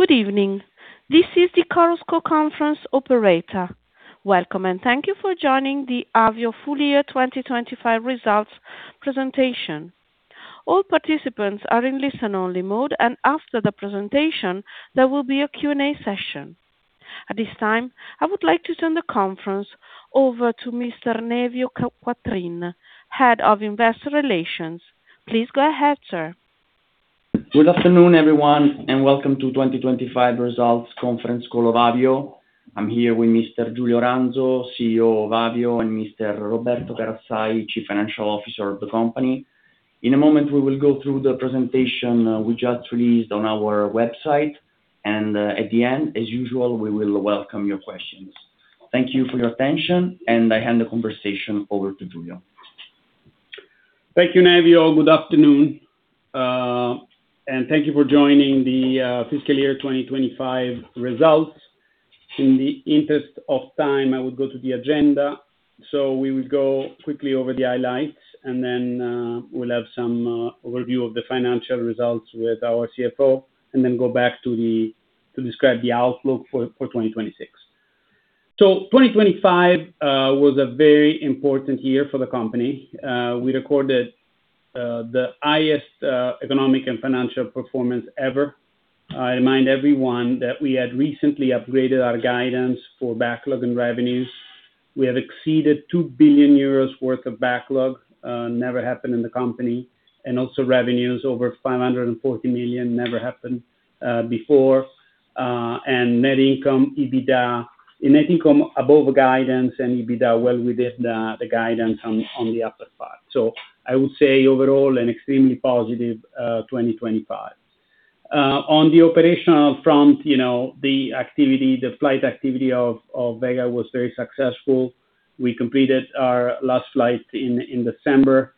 Good evening. This is the Chorus Call Conference operator. Welcome, and thank you for joining the Avio Full-Year 2025 Results Presentation. All participants are in listen-only mode, and after the presentation, there will be a Q&A session. At this time, I would like to turn the conference over to Mr. Nevio Quattrin, Head of Investor Relations. Please go ahead, sir. Good afternoon, everyone, and welcome to 2025 results conference call of Avio. I'm here with Mr. Giulio Ranzo, CEO of Avio, and Mr. Roberto Carassai, Chief Financial Officer of the company. In a moment, we will go through the presentation we just released on our website, and at the end, as usual, we will welcome your questions. Thank you for your attention, and I hand the conversation over to Giulio. Thank you, Nevio. Good afternoon, and thank you for joining the fiscal year 2025 results. In the interest of time, I will go to the agenda. We will go quickly over the highlights and then we'll have some overview of the financial results with our CFO and then go back to describe the outlook for 2026. 2025 was a very important year for the company. We recorded the highest economic and financial performance ever. I remind everyone that we had recently upgraded our guidance for backlog and revenues. We have exceeded 2 billion euros worth of backlog, never happened in the company, and also revenues over 540 million, never happened before. And net income, EBITDA. Net income above guidance and EBITDA well within the guidance on the upper part. I would say overall, an extremely positive 2025. On the operational front, you know, the flight activity of Vega was very successful. We completed our last flight in December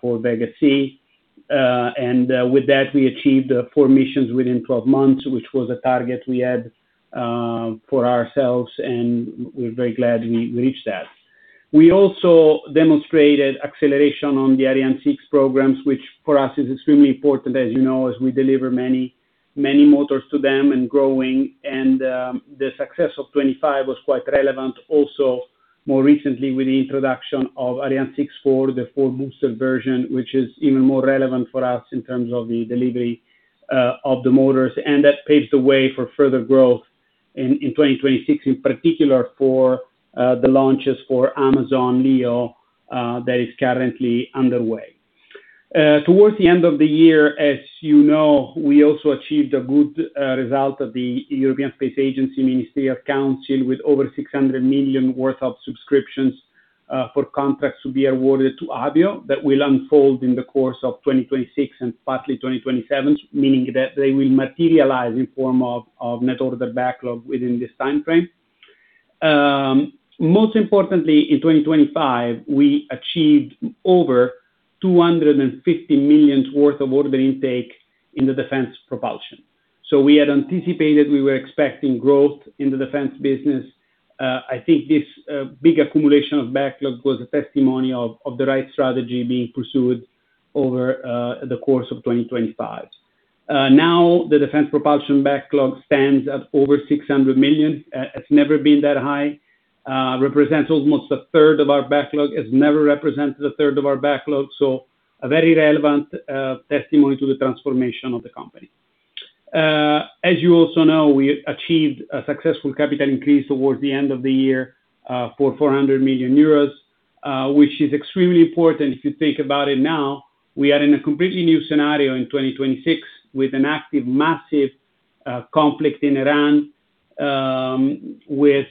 for Vega-C. With that, we achieved four missions within 12 months, which was a target we had for ourselves, and we're very glad we reached that. We also demonstrated acceleration on the Ariane 6 programs, which for us is extremely important, as you know, as we deliver many, many motors to them and growing. The success of 2025 was quite relevant also more recently with the introduction of Ariane 64, the four booster version, which is even more relevant for us in terms of the delivery of the motors. That paves the way for further growth in 2026, in particular for the launches for Project Kuiper that is currently underway. Towards the end of the year, as you know, we also achieved a good result of the European Space Agency Ministerial Council with over 600 million worth of subscriptions for contracts to be awarded to Avio. That will unfold in the course of 2026 and partly 2027, meaning that they will materialize in form of net order backlog within this time frame. Most importantly, in 2025, we achieved over 250 million worth of order intake in the defense propulsion. We had anticipated, we were expecting growth in the defense business. I think this big accumulation of backlog was a testimony of the right strategy being pursued over the course of 2025. Now the defense propulsion backlog stands at over 600 million. It's never been that high. It represents almost a third of our backlog. It's never represented a third of our backlog. A very relevant testimony to the transformation of the company. As you also know, we achieved a successful capital increase towards the end of the year for 400 million euros, which is extremely important if you think about it now. We are in a completely new scenario in 2026 with an active massive conflict in Iran, with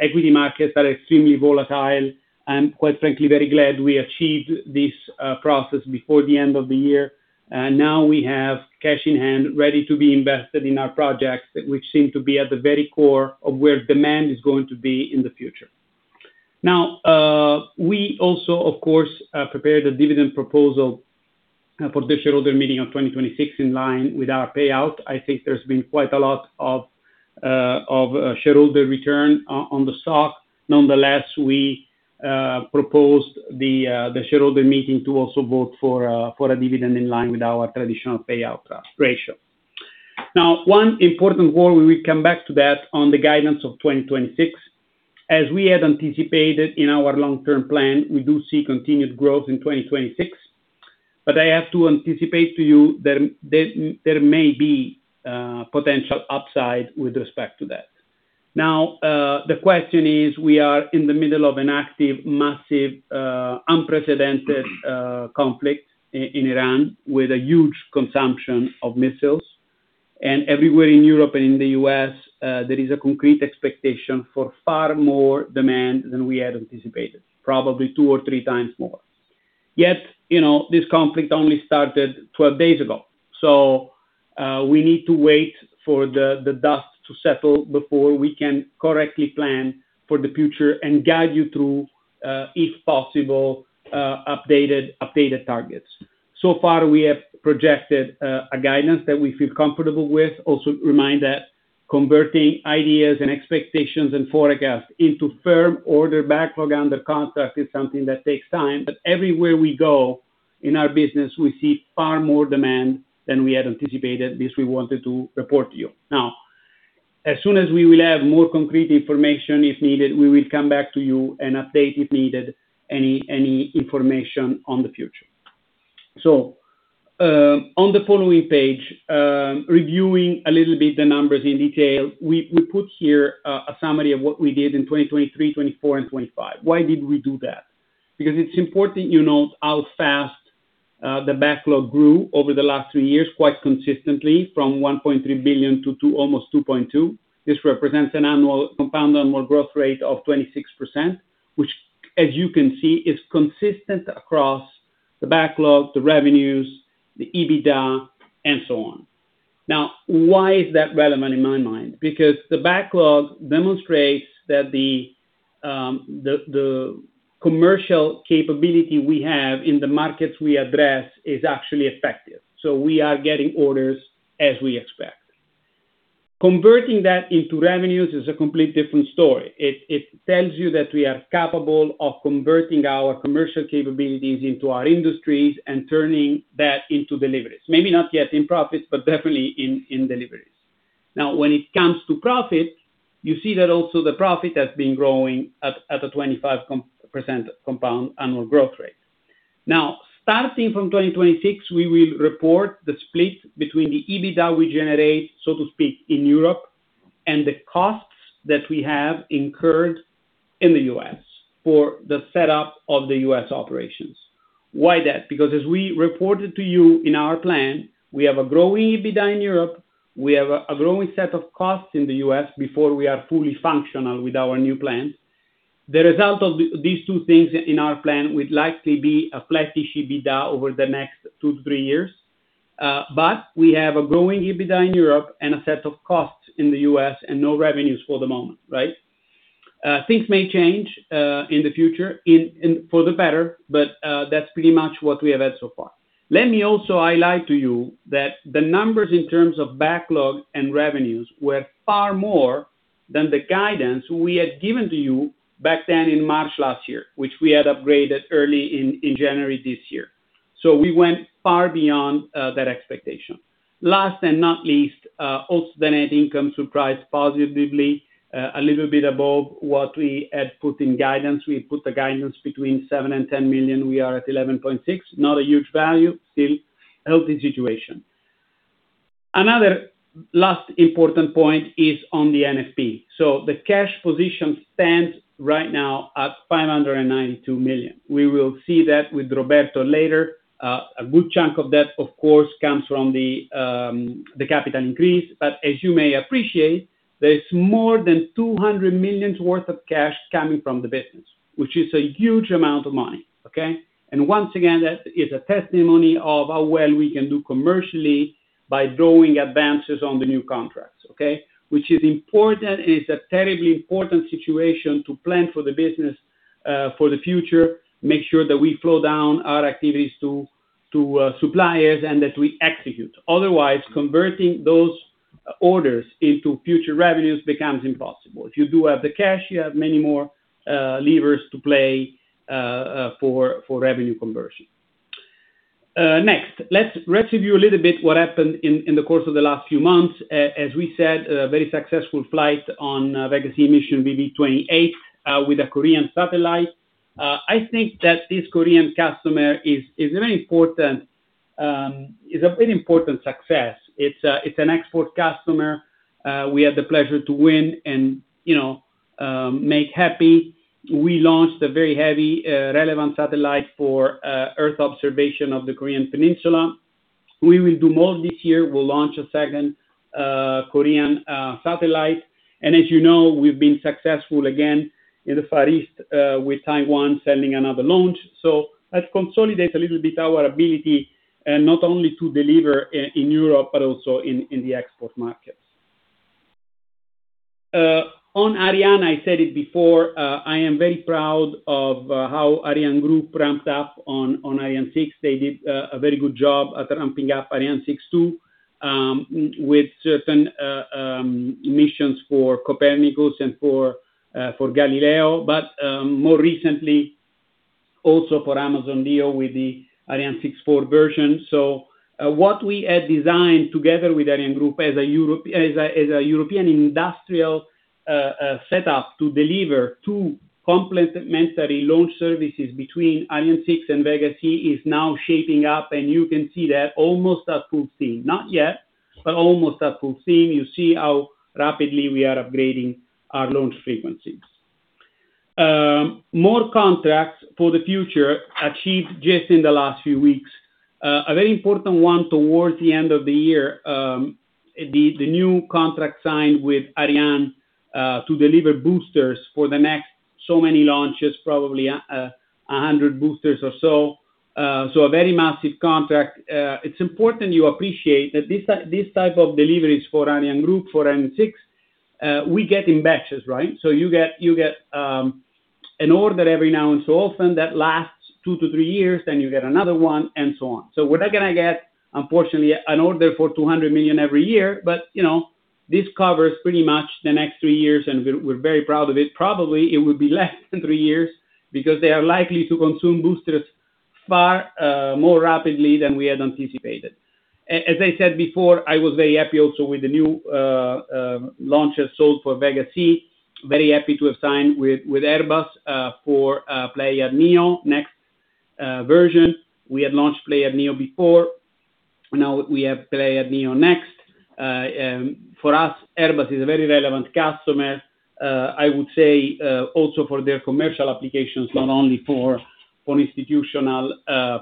equity markets are extremely volatile. I'm quite frankly very glad we achieved this process before the end of the year. Now we have cash in hand ready to be invested in our projects, which seem to be at the very core of where demand is going to be in the future. Now, we also of course, prepared a dividend proposal, for the shareholder meeting of 2026 in line with our payout. I think there's been quite a lot of, shareholder return on the stock. Nonetheless, we proposed the shareholder meeting to also vote for a dividend in line with our traditional payout ratio. Now, one important word, we will come back to that on the guidance of 2026. As we had anticipated in our long-term plan, we do see continued growth in 2026, but I have to anticipate to you that there may be potential upside with respect to that. Now, the question is, we are in the middle of an active, massive, unprecedented conflict in Iran with a huge consumption of missiles. Everywhere in Europe and in the U.S., there is a concrete expectation for far more demand than we had anticipated, probably 2x or 3x more. Yet, you know, this conflict only started 12 days ago. We need to wait for the dust to settle before we can correctly plan for the future and guide you through, if possible, updated targets. So far, we have projected a guidance that we feel comfortable with. Also, remind that converting ideas and expectations and forecasts into firm order backlog under contract is something that takes time. Everywhere we go in our business, we see far more demand than we had anticipated. This we wanted to report to you. As soon as we will have more concrete information, if needed, we will come back to you and update, if needed, any information on the future. On the following page, reviewing a little bit the numbers in detail, we put here a summary of what we did in 2023, 2024, and 2025. Why did we do that? Because it's important you note how fast the backlog grew over the last three years, quite consistently, from 1.3 billion to almost 2.2 billion. This represents a compound annual growth rate of 26%, which, as you can see, is consistent across the backlog, the revenues, the EBITDA, and so on. Now, why is that relevant in my mind? Because the backlog demonstrates that the commercial capability we have in the markets we address is actually effective. We are getting orders as we expect. Converting that into revenues is a complete different story. It tells you that we are capable of converting our commercial capabilities into our industries and turning that into deliveries. Maybe not yet in profits, but definitely in deliveries. Now, when it comes to profit, you see that also the profit has been growing at a 25% compound annual growth rate. Now, starting from 2026, we will report the split between the EBITDA we generate, so to speak, in Europe, and the costs that we have incurred in the U.S. for the setup of the U.S. operations. Why that? Because as we reported to you in our plan, we have a growing EBITDA in Europe, we have a growing set of costs in the U.S. before we are fully functional with our new plan. The result of these two things in our plan would likely be a flattish EBITDA over the next two to three years. But we have a growing EBITDA in Europe and a set of costs in the US and no revenues for the moment, right? Things may change in the future for the better, but that's pretty much what we have had so far. Let me also highlight to you that the numbers in terms of backlog and revenues were far more than the guidance we had given to you back then in March last year, which we had upgraded early in January this year. We went far beyond that expectation. Last and not least, also the net income surprised positively, a little bit above what we had put in guidance. We put the guidance between 7 million and 10 million. We are at 11.6 million. Not a huge value, still healthy situation. Another last important point is on the NFP. The cash position stands right now at 592 million. We will see that with Roberto later. A good chunk of that, of course, comes from the capital increase. As you may appreciate, there's more than 200 million worth of cash coming from the business, which is a huge amount of money, okay? Once again, that is a testimony of how well we can do commercially by drawing advances on the new contracts, okay? Which is important, and it's a terribly important situation to plan for the business, for the future, make sure that we flow down our activities to suppliers and that we execute. Otherwise, converting those orders into future revenues becomes impossible. If you do have the cash, you have many more levers to play for revenue conversion. Next, let's review a little bit what happened in the course of the last few months. As we said, a very successful flight on Vega-C mission VV28 with a Korean satellite. I think that this Korean customer is very important, is a very important success. It's an export customer, we had the pleasure to win and, you know, make happy. We launched a very heavy relevant satellite for Earth observation of the Korean Peninsula. We will do more this year. We'll launch a second Korean satellite. As you know, we've been successful again in the Far East with Taiwan selling another launch. That consolidates a little bit our ability, not only to deliver in Europe, but also in the export markets. On Ariane, I said it before, I am very proud of how ArianeGroup ramped up on Ariane 6. They did a very good job at ramping up Ariane 62 missions for Copernicus and for Galileo, but more recently also for Pléiades Neo with the Ariane 64 version. What we had designed together with ArianeGroup as a European industrial setup to deliver two complementary launch services between Ariane 6 and Vega-C is now shaping up, and you can see that almost at full steam. Not yet, but almost at full steam. You see how rapidly we are upgrading our launch frequencies. More contracts for the future achieved just in the last few weeks. A very important one towards the end of the year, the new contract signed with ArianeGroup to deliver boosters for the next so many launches, probably 100 boosters or so. A very massive contract. It's important you appreciate that this type of deliveries for ArianeGroup, for Ariane 6, we get in batches, right? You get an order every now and so often that lasts 2-3 years, then you get another one, and so on. We're not gonna get, unfortunately, an order for 200 million every year, but you know, this covers pretty much the next three years, and we're very proud of it. Probably it would be less than three years because they are likely to consume boosters far more rapidly than we had anticipated. As I said before, I was very happy also with the new launches sold for Vega-C. Very happy to have signed with Airbus for Pléiades Neo Next version. We had launched Pléiades Neo before. Now we have Pléiades Neo Next. For us, Airbus is a very relevant customer, I would say, also for their commercial applications, not only for institutional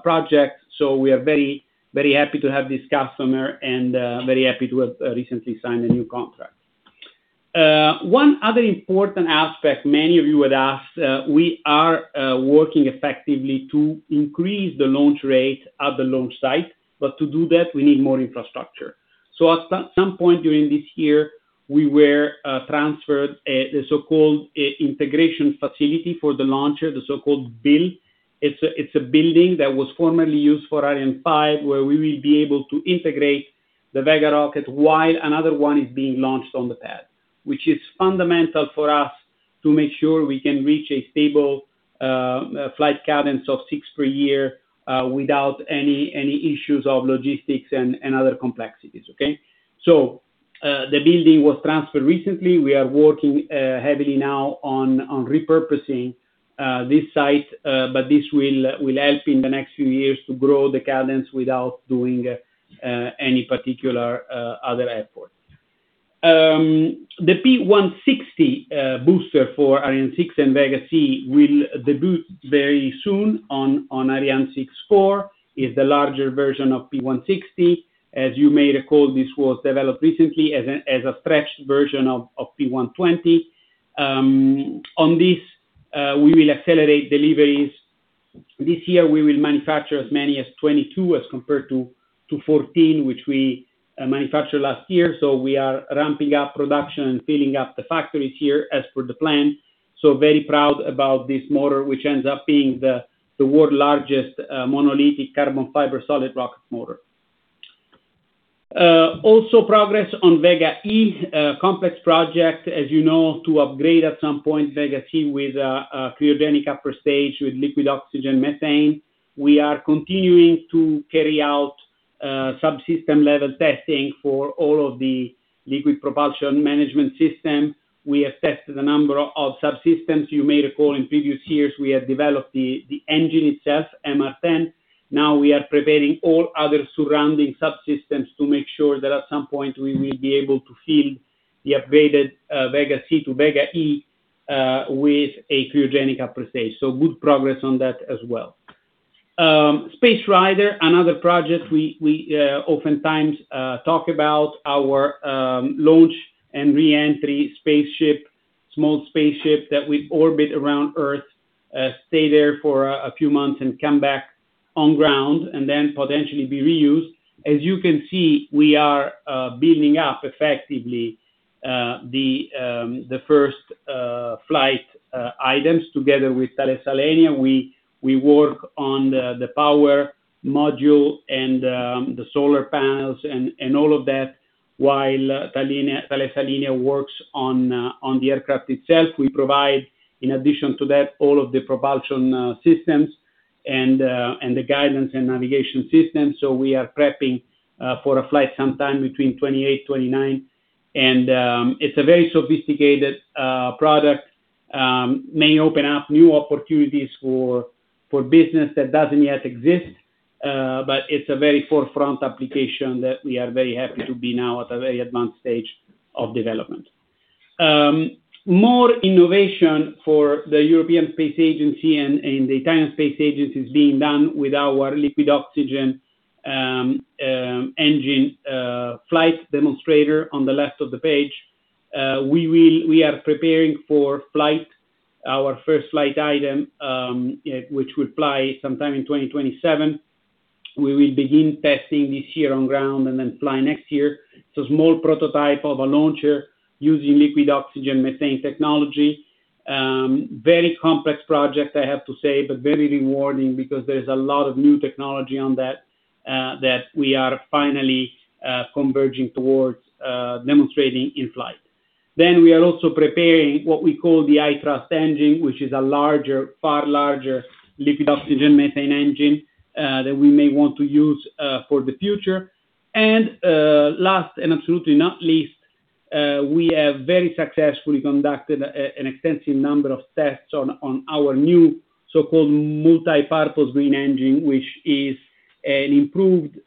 projects. We are very, very happy to have this customer and very happy to have recently signed a new contract. One other important aspect many of you had asked, we are working effectively to increase the launch rate at the launch site, but to do that, we need more infrastructure. At some point during this year, we were transferred the so-called integration facility for the launcher, the so-called BIL. It's a building that was formerly used for Ariane 5, where we will be able to integrate the Vega rocket while another one is being launched on the pad, which is fundamental for us to make sure we can reach a stable flight cadence of six per year without any issues of logistics and other complexities. Okay. The building was transferred recently. We are working heavily now on repurposing this site, but this will help in the next few years to grow the cadence without doing any particular other effort. The P160 booster for Ariane 6 and Vega-C will debut very soon on Ariane 6 core. It's the larger version of P160. As you may recall, this was developed recently as a stretched version of P120. On this, we will accelerate deliveries. This year, we will manufacture as many as 22 as compared to 14, which we manufactured last year. We are ramping up production and filling up the factories here as per the plan. Very proud about this motor, which ends up being the world's largest monolithic carbon fiber solid rocket motor. Also progress on Vega E, complex project, as you know, to upgrade at some point Vega-C with a cryogenic upper stage with liquid oxygen methane. We are continuing to carry out subsystem level testing for all of the liquid propulsion management system. We have tested a number of subsystems. You may recall in previous years, we have developed the engine itself, M10. Now we are preparing all other surrounding subsystems to make sure that at some point we will be able to field the upgraded Vega-C to Vega E with a cryogenic upper stage. Good progress on that as well. Space Rider, another project we oftentimes talk about, our launch and re-entry spaceship, small spaceship that will orbit around Earth, stay there for a few months and come back on ground and then potentially be reused. As you can see, we are building up effectively the first flight items together with Thales Alenia Space. We work on the power module and the solar panels and all of that while Thales Alenia Space works on the aircraft itself. We provide, in addition to that, all of the propulsion systems and the guidance and navigation systems. We are prepping for a flight sometime between 2028, 2029. It's a very sophisticated product. May open up new opportunities for business that doesn't yet exist, but it's a very forefront application that we are very happy to be now at a very advanced stage of development. More innovation for the European Space Agency and the Italian Space Agency is being done with our liquid oxygen engine flight demonstrator on the left of the page. We are preparing for flight, our first flight item, which will fly sometime in 2027. We will begin testing this year on ground and then fly next year. It's a small prototype of a launcher using liquid oxygen methane technology. Very complex project, I have to say, but very rewarding because there's a lot of new technology on that that we are finally converging towards demonstrating in flight. We are also preparing what we call the I-Thrust engine, which is a larger, far larger liquid oxygen methane engine, that we may want to use, for the future. Last and absolutely not least, we have very successfully conducted an extensive number of tests on our new so-called Multi-Purpose Green Engine, which is an improved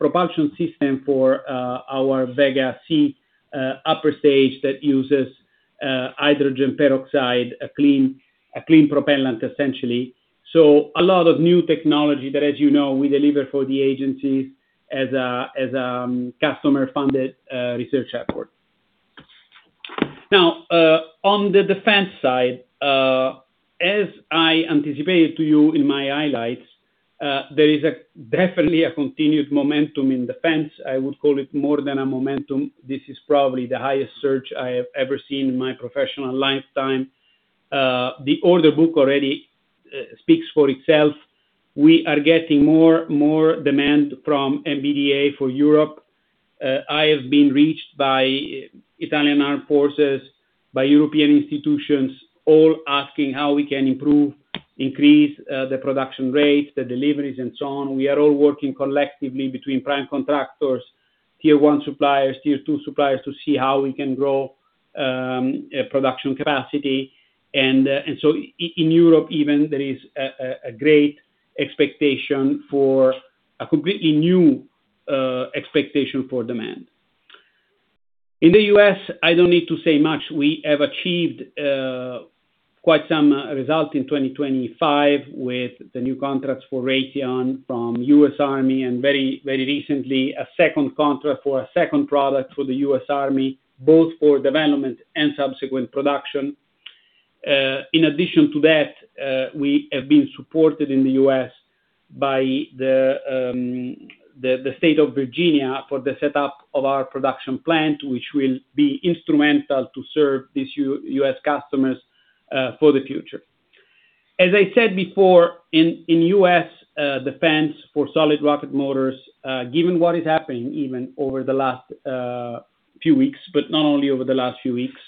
propulsion system for our Vega-C upper stage that uses hydrogen peroxide, a clean propellant, essentially. A lot of new technology that, as you know, we deliver for the agencies as a customer-funded research effort. Now, on the defense side, as I anticipated to you in my highlights. There is definitely a continued momentum in defense. I would call it more than a momentum. This is probably the highest surge I have ever seen in my professional lifetime. The order book already speaks for itself. We are getting more demand from MBDA for Europe. I have been reached by Italian Armed Forces, by European institutions, all asking how we can improve, increase the production rates, the deliveries and so on. We are all working collectively between prime contractors, tier one suppliers, tier two suppliers, to see how we can grow production capacity. In Europe, even there is a great expectation for a completely new expectation for demand. In the U.S., I don't need to say much. We have achieved quite some results in 2025 with the new contracts for Raytheon from US Army and very, very recently, a second contract for a second product for the US Army, both for development and subsequent production. In addition to that, we have been supported in the U.S. by the State of Virginia for the setup of our production plant, which will be instrumental to serve these U.S. customers for the future. As I said before in US defense for solid rocket motors, given what is happening even over the last few weeks, but not only over the last few weeks,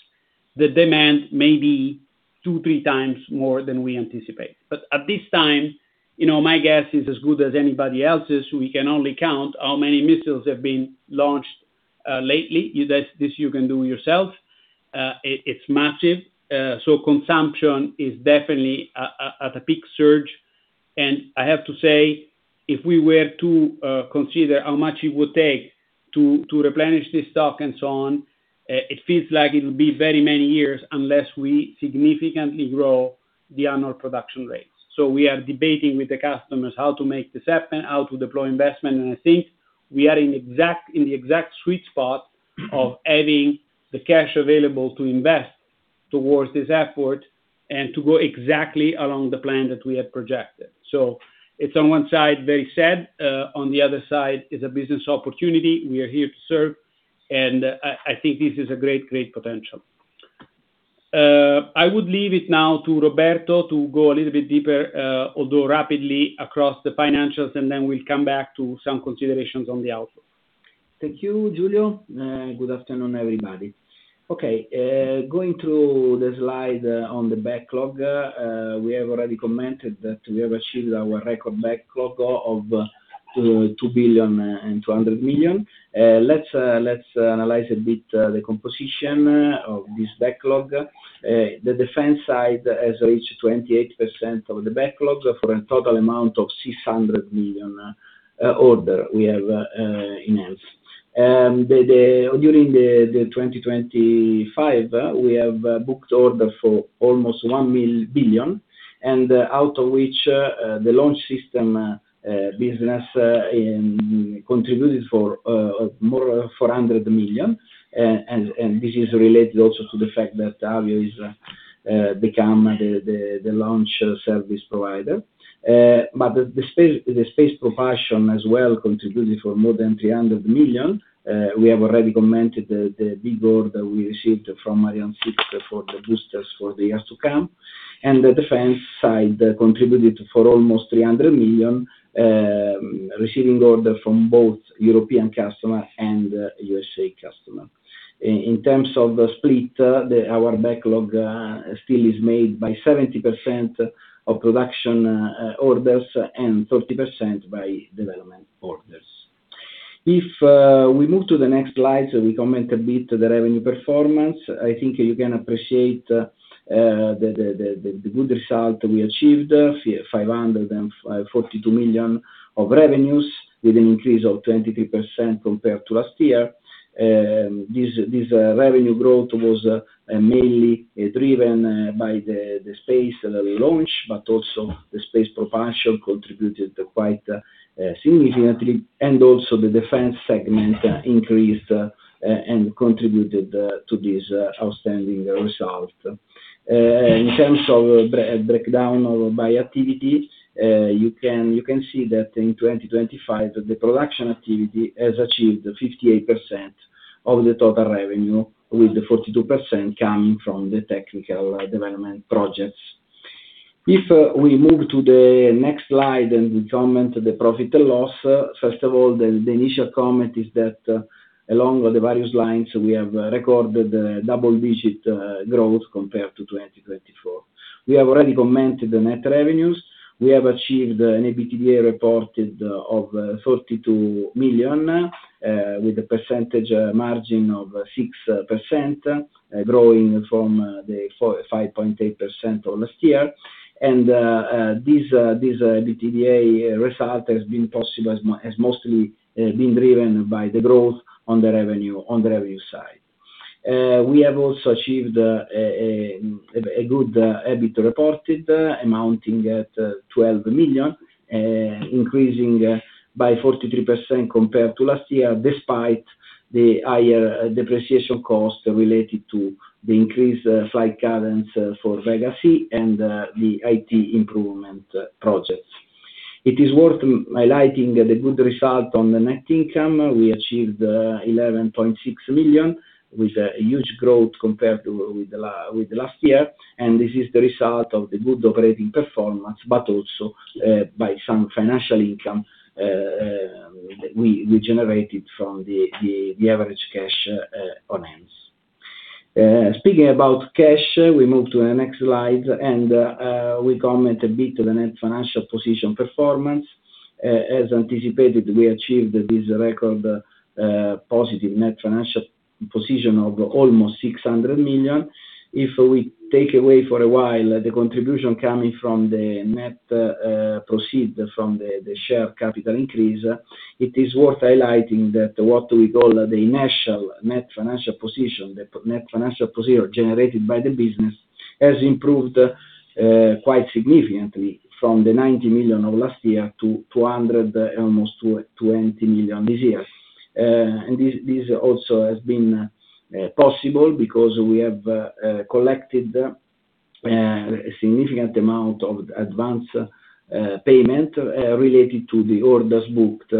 the demand may be 2x, 3x more than we anticipate. At this time, you know, my guess is as good as anybody else's. We can only count how many missiles have been launched lately. You guys, this you can do yourself. It's massive. Consumption is definitely at a peak surge. I have to say, if we were to consider how much it would take to replenish this stock and so on, it feels like it will be very many years unless we significantly grow the annual production rates. We are debating with the customers how to make this happen, how to deploy investment, and I think we are in the exact sweet spot of having the cash available to invest towards this effort and to go exactly along the plan that we have projected. It's on one side very sad. On the other side is a business opportunity. We are here to serve, and I think this is a great potential. I would leave it now to Roberto to go a little bit deeper, although rapidly across the financials, and then we'll come back to some considerations on the outlook. Thank you, Giulio. Good afternoon, everybody. Okay, going through the slide on the backlog, we have already commented that we have achieved our record backlog of 2.2 billion. Let's analyze a bit the composition of this backlog. The defense side has reached 28% of the backlog for a total amount of 600 million orders we have enhanced. During 2025, we have booked orders for almost 1 billion, and out of which the launch system business contributed for more than 400 million. This is related also to the fact that Avio has become the launch service provider. The space propulsion as well contributed for more than 300 million. We have already commented the big order we received from Ariane 6 for the boosters for the years to come. The defense side contributed for almost 300 million, receiving order from both European customer and U.S. customer. In terms of the split, our backlog still is made by 70% of production orders and 30% by development orders. If we move to the next slide, we comment a bit the revenue performance. I think you can appreciate the good result we achieved, 542 million of revenues with an increase of 23% compared to last year. This revenue growth was mainly driven by the space launch, but also the space propulsion contributed quite significantly, and also the defense segment increased and contributed to this outstanding result. In terms of breakdown by activity, you can see that in 2025, the production activity has achieved 58% of the total revenue, with the 42% coming from the technical development projects. If we move to the next slide and we comment the profit and loss. First of all, the initial comment is that along the various lines we have recorded double-digit growth compared to 2024. We have already commented the net revenues. We have achieved an EBITDA reported of 42 million with a percentage margin of 6%, growing from the 5.8% of last year. This EBITDA result has been possible, has mostly been driven by the growth on the revenue, on the revenue side. We have also achieved a good EBIT reported amounting at 12 million, increasing by 43% compared to last year, despite the higher depreciation costs related to the increased flight cadence for Vega C and the IT improvement projects. It is worth highlighting the good result on the net income. We achieved 11.6 million, with a huge growth compared to last year. This is the result of the good operating performance, but also by some financial income we generated from the average cash on hand. Speaking about cash, we move to the next slide, and we comment a bit on the net financial position performance. As anticipated, we achieved this record positive net financial position of almost 600 million. If we take away for a while the contribution coming from the net proceeds from the share capital increase, it is worth highlighting that what we call the notional net financial position, the net financial position generated by the business, has improved quite significantly from the 90 million of last year to almost 220 million this year. This also has been possible because we have collected a significant amount of advance payment related to the orders booked,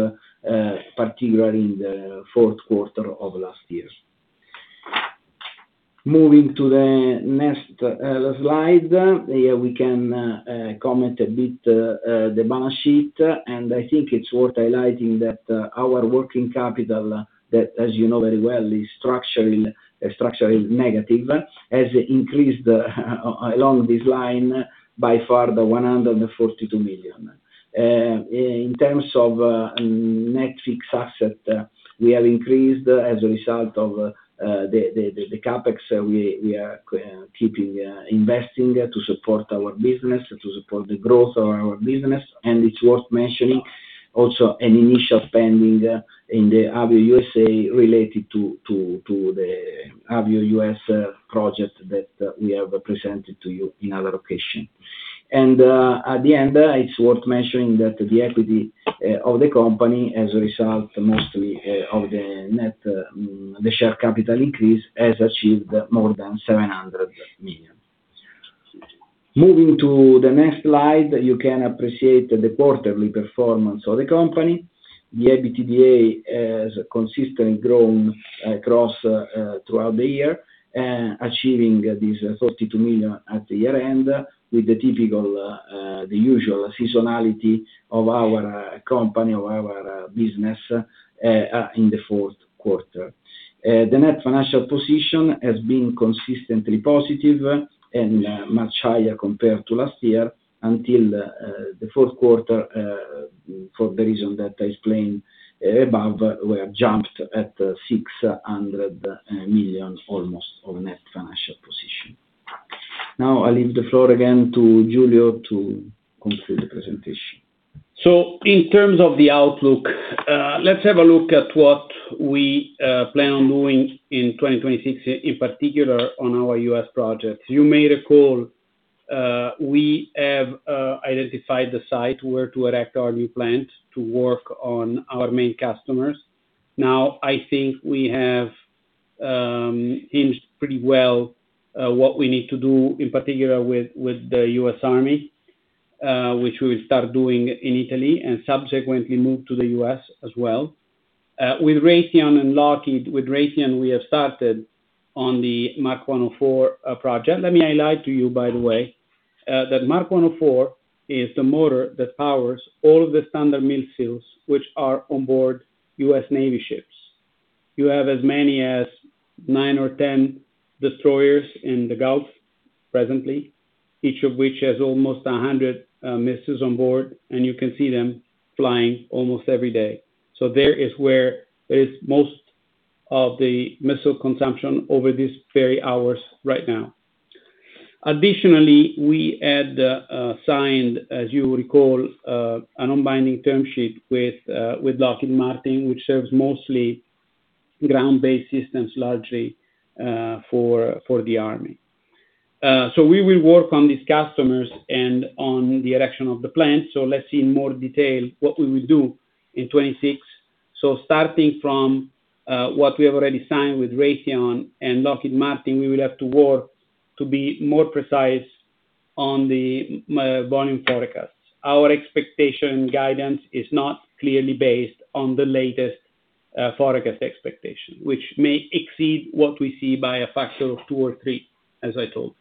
particularly in the fourth quarter of last year. Moving to the next slide, here we can comment a bit on the balance sheet. I think it's worth highlighting that our working capital that, as you know very well, is structurally negative, has increased along this line by 142 million. In terms of our net fixed assets, they have increased as a result of the CapEx. We are keeping investing to support our business and to support the growth of our business. It's worth mentioning also an initial spending in the Avio USA Related to the Avio US project that we have presented to you in other occasion. At the end, it's worth mentioning that the equity of the company as a result, mostly, of the net, the share capital increase, has achieved more than 700 million. Moving to the next slide, you can appreciate the quarterly performance of the company. The EBITDA has consistently grown throughout the year, achieving 42 million at the year-end, with the typical, the usual seasonality of our company, of our business in the fourth quarter. The net financial position has been consistently positive and much higher compared to last year, until the fourth quarter, for the reason that I explained above, it jumped to almost 600 million net financial position. Now I leave the floor again to Giulio to conclude the presentation. In terms of the outlook, let's have a look at what we plan on doing in 2026, in particular on our U.S. projects. You may recall, we have identified the site where to erect our new plant to work on our main customers. Now, I think we have penciled pretty well what we need to do, in particular with the U.S. Army, which we will start doing in Italy and subsequently move to the U.S. as well. With Raytheon and Lockheed, with Raytheon, we have started on the Mk 104 project. Let me highlight to you, by the way, that Mk 104 is the motor that powers all the Standard Missiles which are on board U.S. Navy ships. You have as many as nine or 10 destroyers in the Gulf presently, each of which has almost 100 missiles on board, and you can see them flying almost every day. That's where there is most of the missile consumption over these very hours right now. Additionally, we had signed, as you recall, a non-binding term sheet with Lockheed Martin, which serves mostly ground-based systems, largely for the Army. We will work on these customers and on the erection of the plant. Let's see in more detail what we will do in 2026. Starting from what we have already signed with Raytheon and Lockheed Martin, we will have to work to be more precise on the volume forecast. Our expectation guidance is not clearly based on the latest forecast expectation, which may exceed what we see by a factor of two or three, as I told.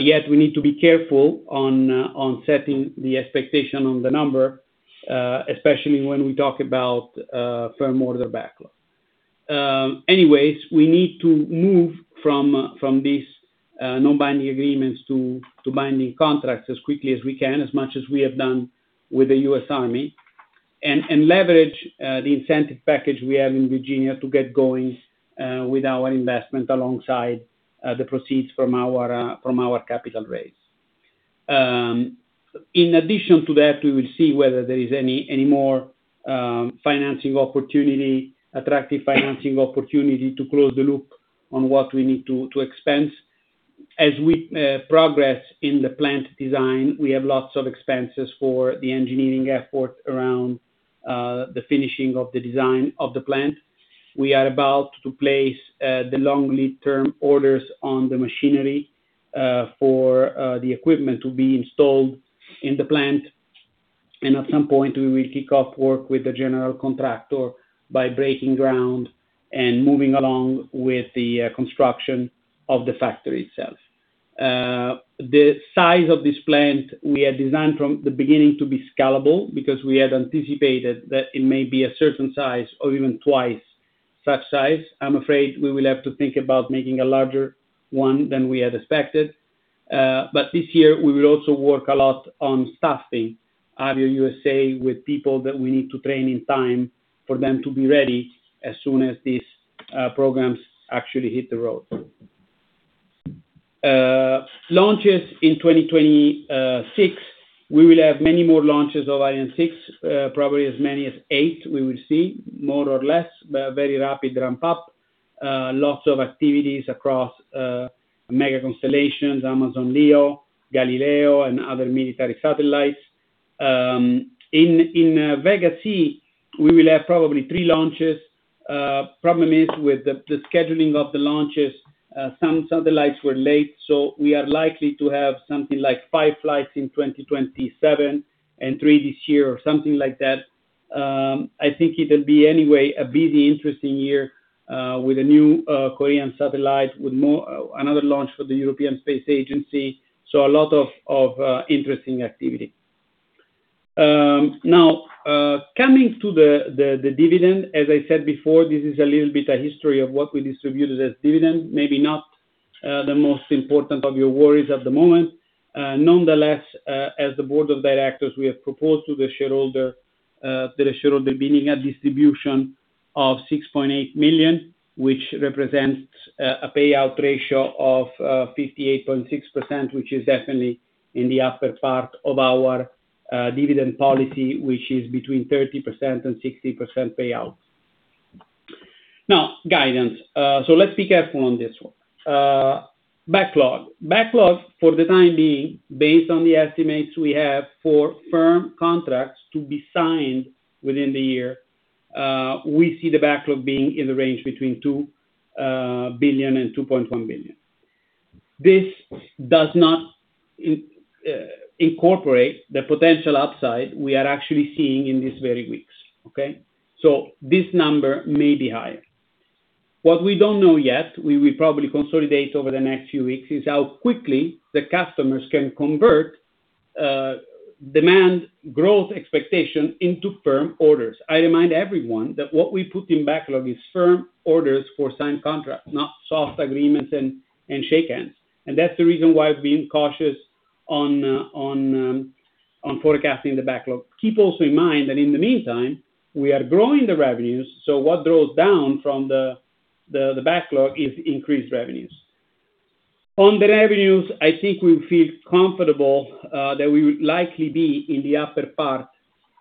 Yet we need to be careful on setting the expectation on the number, especially when we talk about firm order backlog. Anyways, we need to move from these non-binding agreements to binding contracts as quickly as we can, as much as we have done with the U.S. Army, leverage the incentive package we have in Virginia to get going with our investment alongside the proceeds from our capital raise. In addition to that, we will see whether there is any more attractive financing opportunity to close the loop on what we need to expense. As we progress in the plant design, we have lots of expenses for the engineering effort around the finishing of the design of the plant. We are about to place the long lead time orders on the machinery for the equipment to be installed in the plant. At some point, we will kick off work with the general contractor by breaking ground and moving along with the construction of the factory itself. The size of this plant, we had designed from the beginning to be scalable because we had anticipated that it may be a certain size or even twice that size. I'm afraid we will have to think about making a larger one than we had expected. This year we will also work a lot on staffing Avio USA with people that we need to train in time for them to be ready as soon as these programs actually hit the road. Launches in 2026. We will have many more launches of Ariane 6, probably as many as eight we will see, more or less, but a very rapid ramp-up. Lots of activities across mega constellations, Amazon LEO, Galileo, and other military satellites. In Vega-C, we will have probably three launches. Problem is with the scheduling of the launches, some satellites were late, so we are likely to have something like five flights in 2027, and three this year, or something like that. I think it'll be, anyway, a busy, interesting year, with a new Korean satellite, with more, another launch for the European Space Agency. A lot of interesting activity. Now, coming to the dividend, as I said before, this is a little bit a history of what we distributed as dividend. Maybe not the most important of your worries at the moment. Nonetheless, as the board of directors, we have proposed to the shareholder that the shareholder be needing a distribution of 6.8 million, which represents a payout ratio of 58.6%, which is definitely in the upper part of our dividend policy, which is between 30% and 60% payouts. Now, guidance. Let's be careful on this one. Backlog. Backlog, for the time being, based on the estimates we have for firm contracts to be signed within the year, we see the backlog being in the range between 2 billion and 2.1 billion. This does not incorporate the potential upside we are actually seeing in these very weeks, okay? This number may be higher. What we don't know yet, we will probably consolidate over the next few weeks, is how quickly the customers can convert demand growth expectation into firm orders. I remind everyone that what we put in backlog is firm orders for signed contracts, not soft agreements and shake hands. That's the reason why we're being cautious on forecasting the backlog. Keep also in mind that in the meantime, we are growing the revenues, so what goes down from the backlog is increased revenues. On the revenues, I think we feel comfortable that we would likely be in the upper part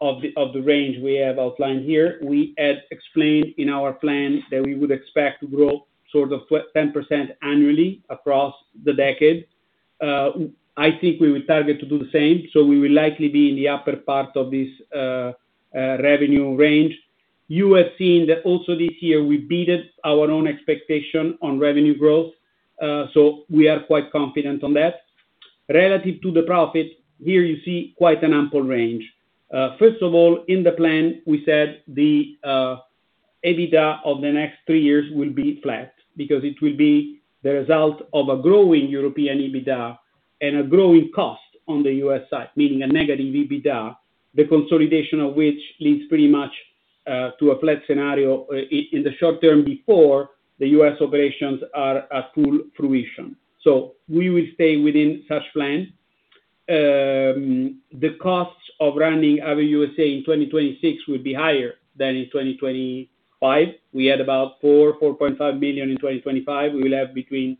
of the range we have outlined here. We had explained in our plan that we would expect growth sort of 10% annually across the decade. I think we will target to do the same, so we will likely be in the upper part of this revenue range. You have seen that also this year, we beat our own expectation on revenue growth, so we are quite confident on that. Relative to the profit, here you see quite an ample range. First of all, in the plan, we said the EBITDA of the next three years will be flat because it will be the result of a growing European EBITDA and a growing cost on the U.S. side, meaning a negative EBITDA, the consolidation of which leads pretty much to a flat scenario in the short term, before the U.S. operations are at full fruition. We will stay within such plan. The costs of running Avio USA in 2026 will be higher than in 2025. We had about $4.5 million in 2025. We will have between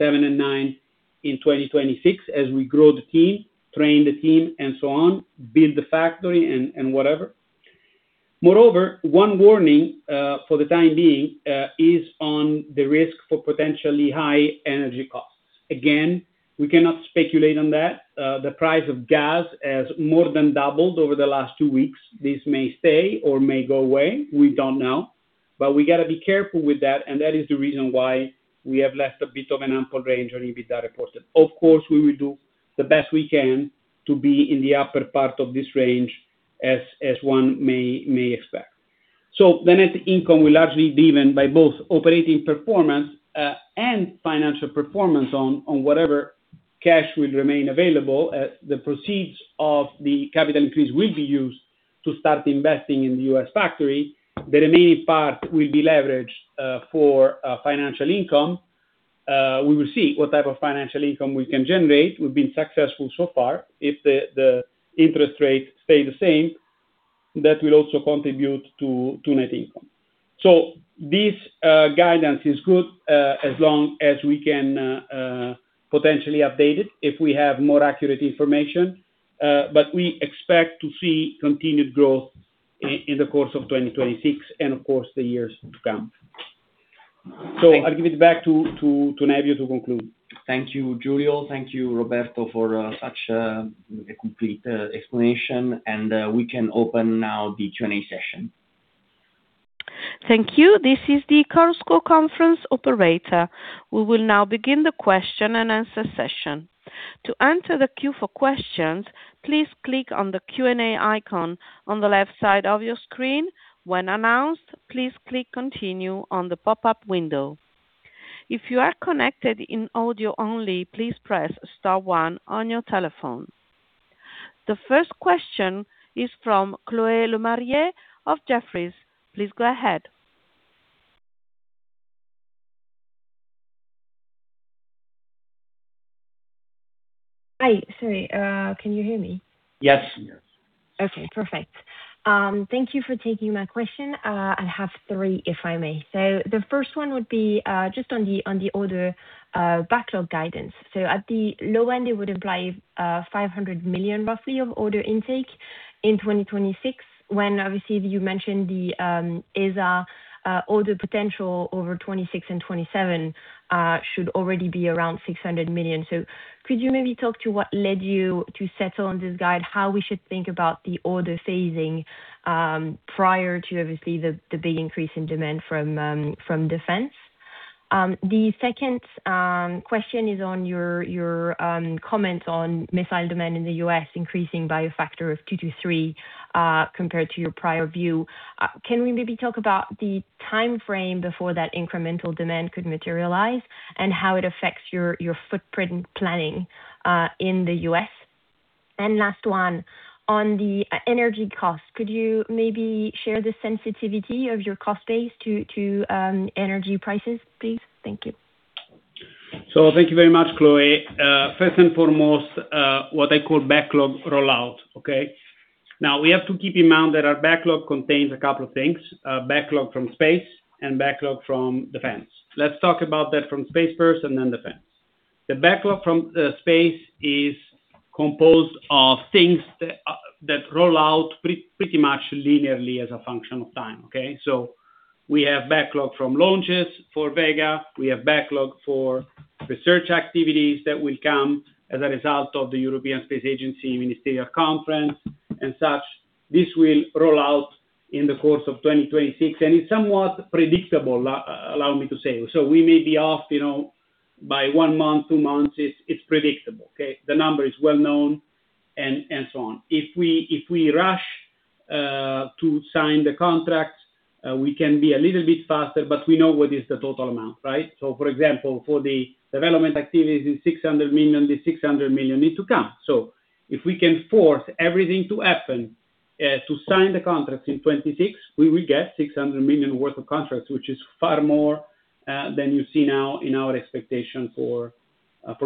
$7 million and $9 million in 2026 as we grow the team, train the team, and so on, build the factory and whatever. Moreover, one warning for the time being is on the risk for potentially high energy costs. Again, we cannot speculate on that. The price of gas has more than doubled over the last two weeks. This may stay or may go away, we don't know. We gotta be careful with that, and that is the reason why we have left a bit of an ample range on EBITDA reported. Of course, we will do the best we can to be in the upper part of this range, as one may expect. The net income will largely be driven by both operating performance and financial performance on whatever cash will remain available. The proceeds of the capital increase will be used to start investing in the U.S. factory. The remaining part will be leveraged for financial income. We will see what type of financial income we can generate. We've been successful so far. If the interest rates stay the same, that will also contribute to net income. This guidance is good as long as we can potentially update it if we have more accurate information. We expect to see continued growth in the course of 2026 and of course, the years to come. Thank you. I'll give it back to Nevio to conclude. Thank you, Giulio. Thank you, Roberto, for such a complete explanation. We can open now the Q&A session. Thank you. This is the Chorus Call conference operator. We will now begin the question-and-answer session. To enter the queue for questions, please click on the Q&A icon on the left side of your screen. When announced, please click Continue on the pop-up window. If you are connected in audio only, please press star one on your telephone. The first question is from Chloé Lemarié of Jefferies. Please go ahead. Hi. Sorry, can you hear me? Yes. Okay, perfect. Thank you for taking my question. I have three, if I may. The first one would be just on the order backlog guidance. At the low end, it would imply, roughly, 500 million of order intake in 2026, when obviously you mentioned the ESA order potential over 2026 and 2027 should already be around 600 million. Could you maybe talk to what led you to settle on this guide, how we should think about the order phasing prior to obviously the big increase in demand from defense? The second question is on your comments on missile demand in the U.S. increasing by a factor of two to three compared to your prior view. Can we maybe talk about the timeframe before that incremental demand could materialize and how it affects your footprint planning in the U.S.? Last one. On the energy cost, could you maybe share the sensitivity of your cost base to energy prices, please? Thank you. Thank you very much, Chloé. First and foremost, what I call backlog rollout, okay? Now, we have to keep in mind that our backlog contains a couple of things, backlog from space and backlog from defense. Let's talk about that from space first and then defense. The backlog from space is composed of things that roll out pretty much linearly as a function of time, okay? We have backlog from launches for Vega. We have backlog for research activities that will come as a result of the European Space Agency ministerial conference and such. This will roll out in the course of 2026, and it's somewhat predictable, allow me to say. We may be off, you know, by one month, two months. It's predictable, okay? The number is well known and so on. If we rush to sign the contracts, we can be a little bit faster, but we know what is the total amount, right? For example, for the development activities, the 600 million need to come. If we can force everything to happen to sign the contracts in 2026, we will get 600 million worth of contracts, which is far more than you see now in our expectation for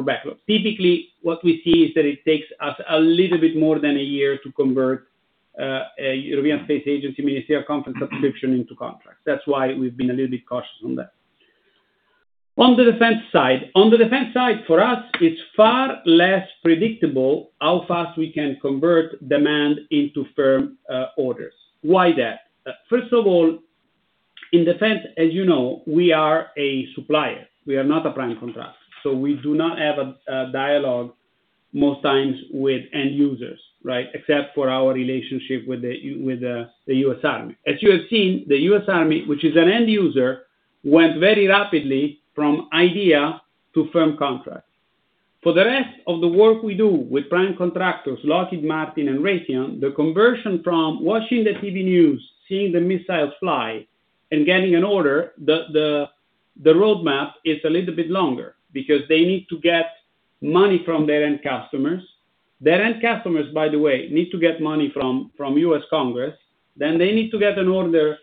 backlog. Typically, what we see is that it takes us a little bit more than a year to convert a European Space Agency Ministerial Council subscription into contracts. That's why we've been a little bit cautious on that. On the defense side, for us, it's far less predictable how fast we can convert demand into firm orders. Why that? First of all, in defense, as you know, we are a supplier. We are not a prime contractor. We do not have a dialogue most times with end users, right? Except for our relationship with the U.S. Army. As you have seen, the U.S. Army, which is an end user, went very rapidly from idea to firm contracts. For the rest of the work we do with prime contractors, Lockheed Martin and Raytheon, the conversion from watching the TV news, seeing the missiles fly and getting an order, the roadmap is a little bit longer because they need to get money from their end customers. Their end customers, by the way, need to get money from U.S. Congress, then they need to get an order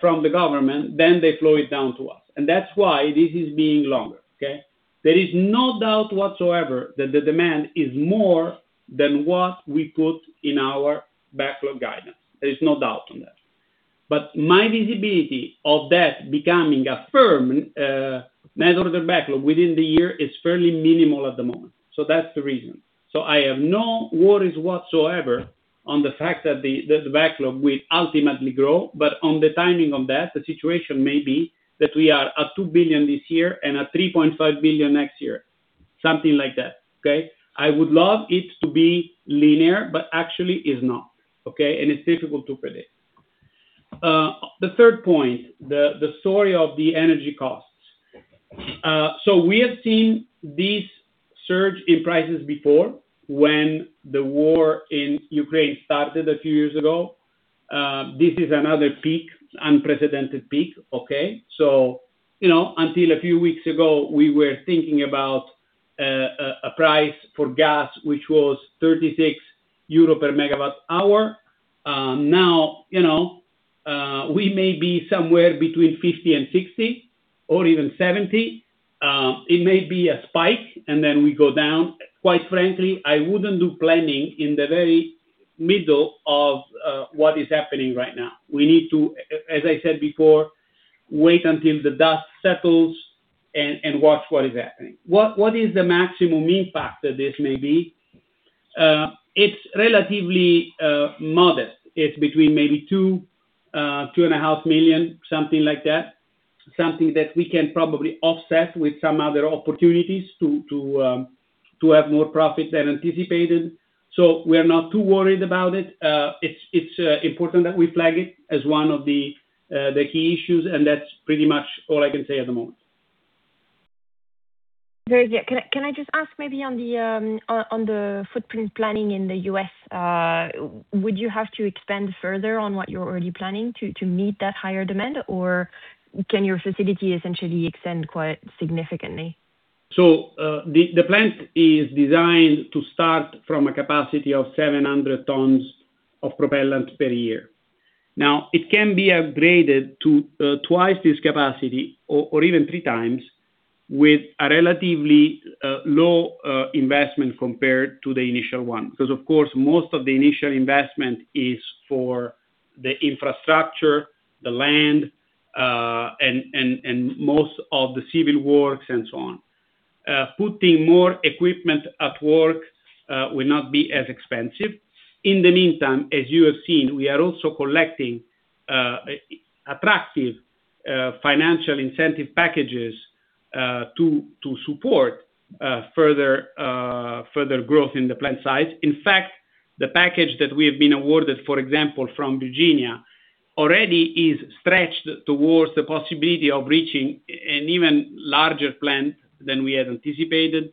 from the government, then they flow it down to us. That's why this is being longer, okay? There is no doubt whatsoever that the demand is more than what we put in our backlog guidance. There is no doubt on that. My visibility of that becoming a firm net order backlog within the year is fairly minimal at the moment. That's the reason. I have no worries whatsoever on the fact that the backlog will ultimately grow, but on the timing on that, the situation may be that we are at 2 billion this year and at 3.5 billion next year. Something like that, okay? I would love it to be linear, but actually is not, okay? It's difficult to predict. The third point, the story of the energy costs. We have seen this surge in prices before when the war in Ukraine started a few years ago. This is another peak, unprecedented peak, okay? You know, until a few weeks ago, we were thinking about a price for gas, which was 36 euro MWh. Now, you know, we may be somewhere between 50 and 60, or even 70. It may be a spike, and then we go down. Quite frankly, I wouldn't do planning in the very middle of what is happening right now. We need to, as I said before, wait until the dust settles and watch what is happening. What is the maximum impact that this may be? It's relatively modest. It's between maybe 2 million and 2.5 million, something like that. Something that we can probably offset with some other opportunities to have more profit than anticipated. We are not too worried about it. It's important that we flag it as one of the key issues, and that's pretty much all I can say at the moment. Very good. Can I just ask maybe on the footprint planning in the U.S., would you have to expand further on what you're already planning to meet that higher demand? Or can your facility essentially extend quite significantly? The plant is designed to start from a capacity of 700 tons of propellant per year. Now, it can be upgraded to twice this capacity or even three times with a relatively low investment compared to the initial one. Because, of course, most of the initial investment is for the infrastructure, the land, and most of the civil works and so on. Putting more equipment at work will not be as expensive. In the meantime, as you have seen, we are also collecting attractive financial incentive packages to support further growth in the plant size. In fact, the package that we have been awarded, for example, from Virginia, already is stretched towards the possibility of reaching an even larger plant than we had anticipated.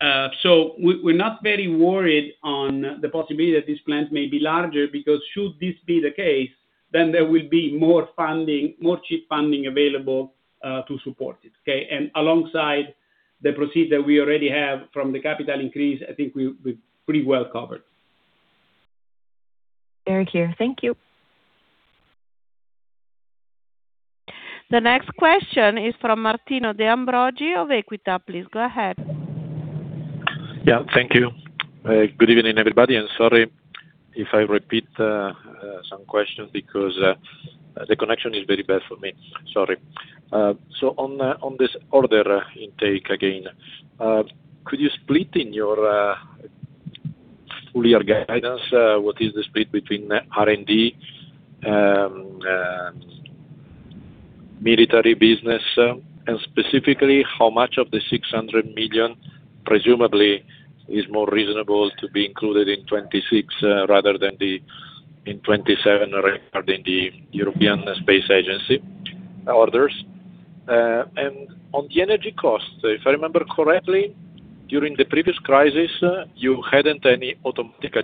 We're not very worried on the possibility that this plant may be larger because should this be the case, then there will be more funding, more cheap funding available to support it. Okay? Alongside the procedure we already have from the capital increase, I think we're pretty well covered. Very clear. Thank you. The next question is from Martino de Ambroggi of Equita. Please go ahead. Yeah, thank you. Good evening, everybody, and sorry if I repeat some questions because the connection is very bad for me. Sorry. So on this order intake again, could you split in your full-year guidance what is the split between R&D, military business? Specifically, how much of the 600 million presumably is more reasonable to be included in 2026 rather than in 2027 regarding the European Space Agency orders? On the energy costs, if I remember correctly, during the previous crisis, you hadn't any automatic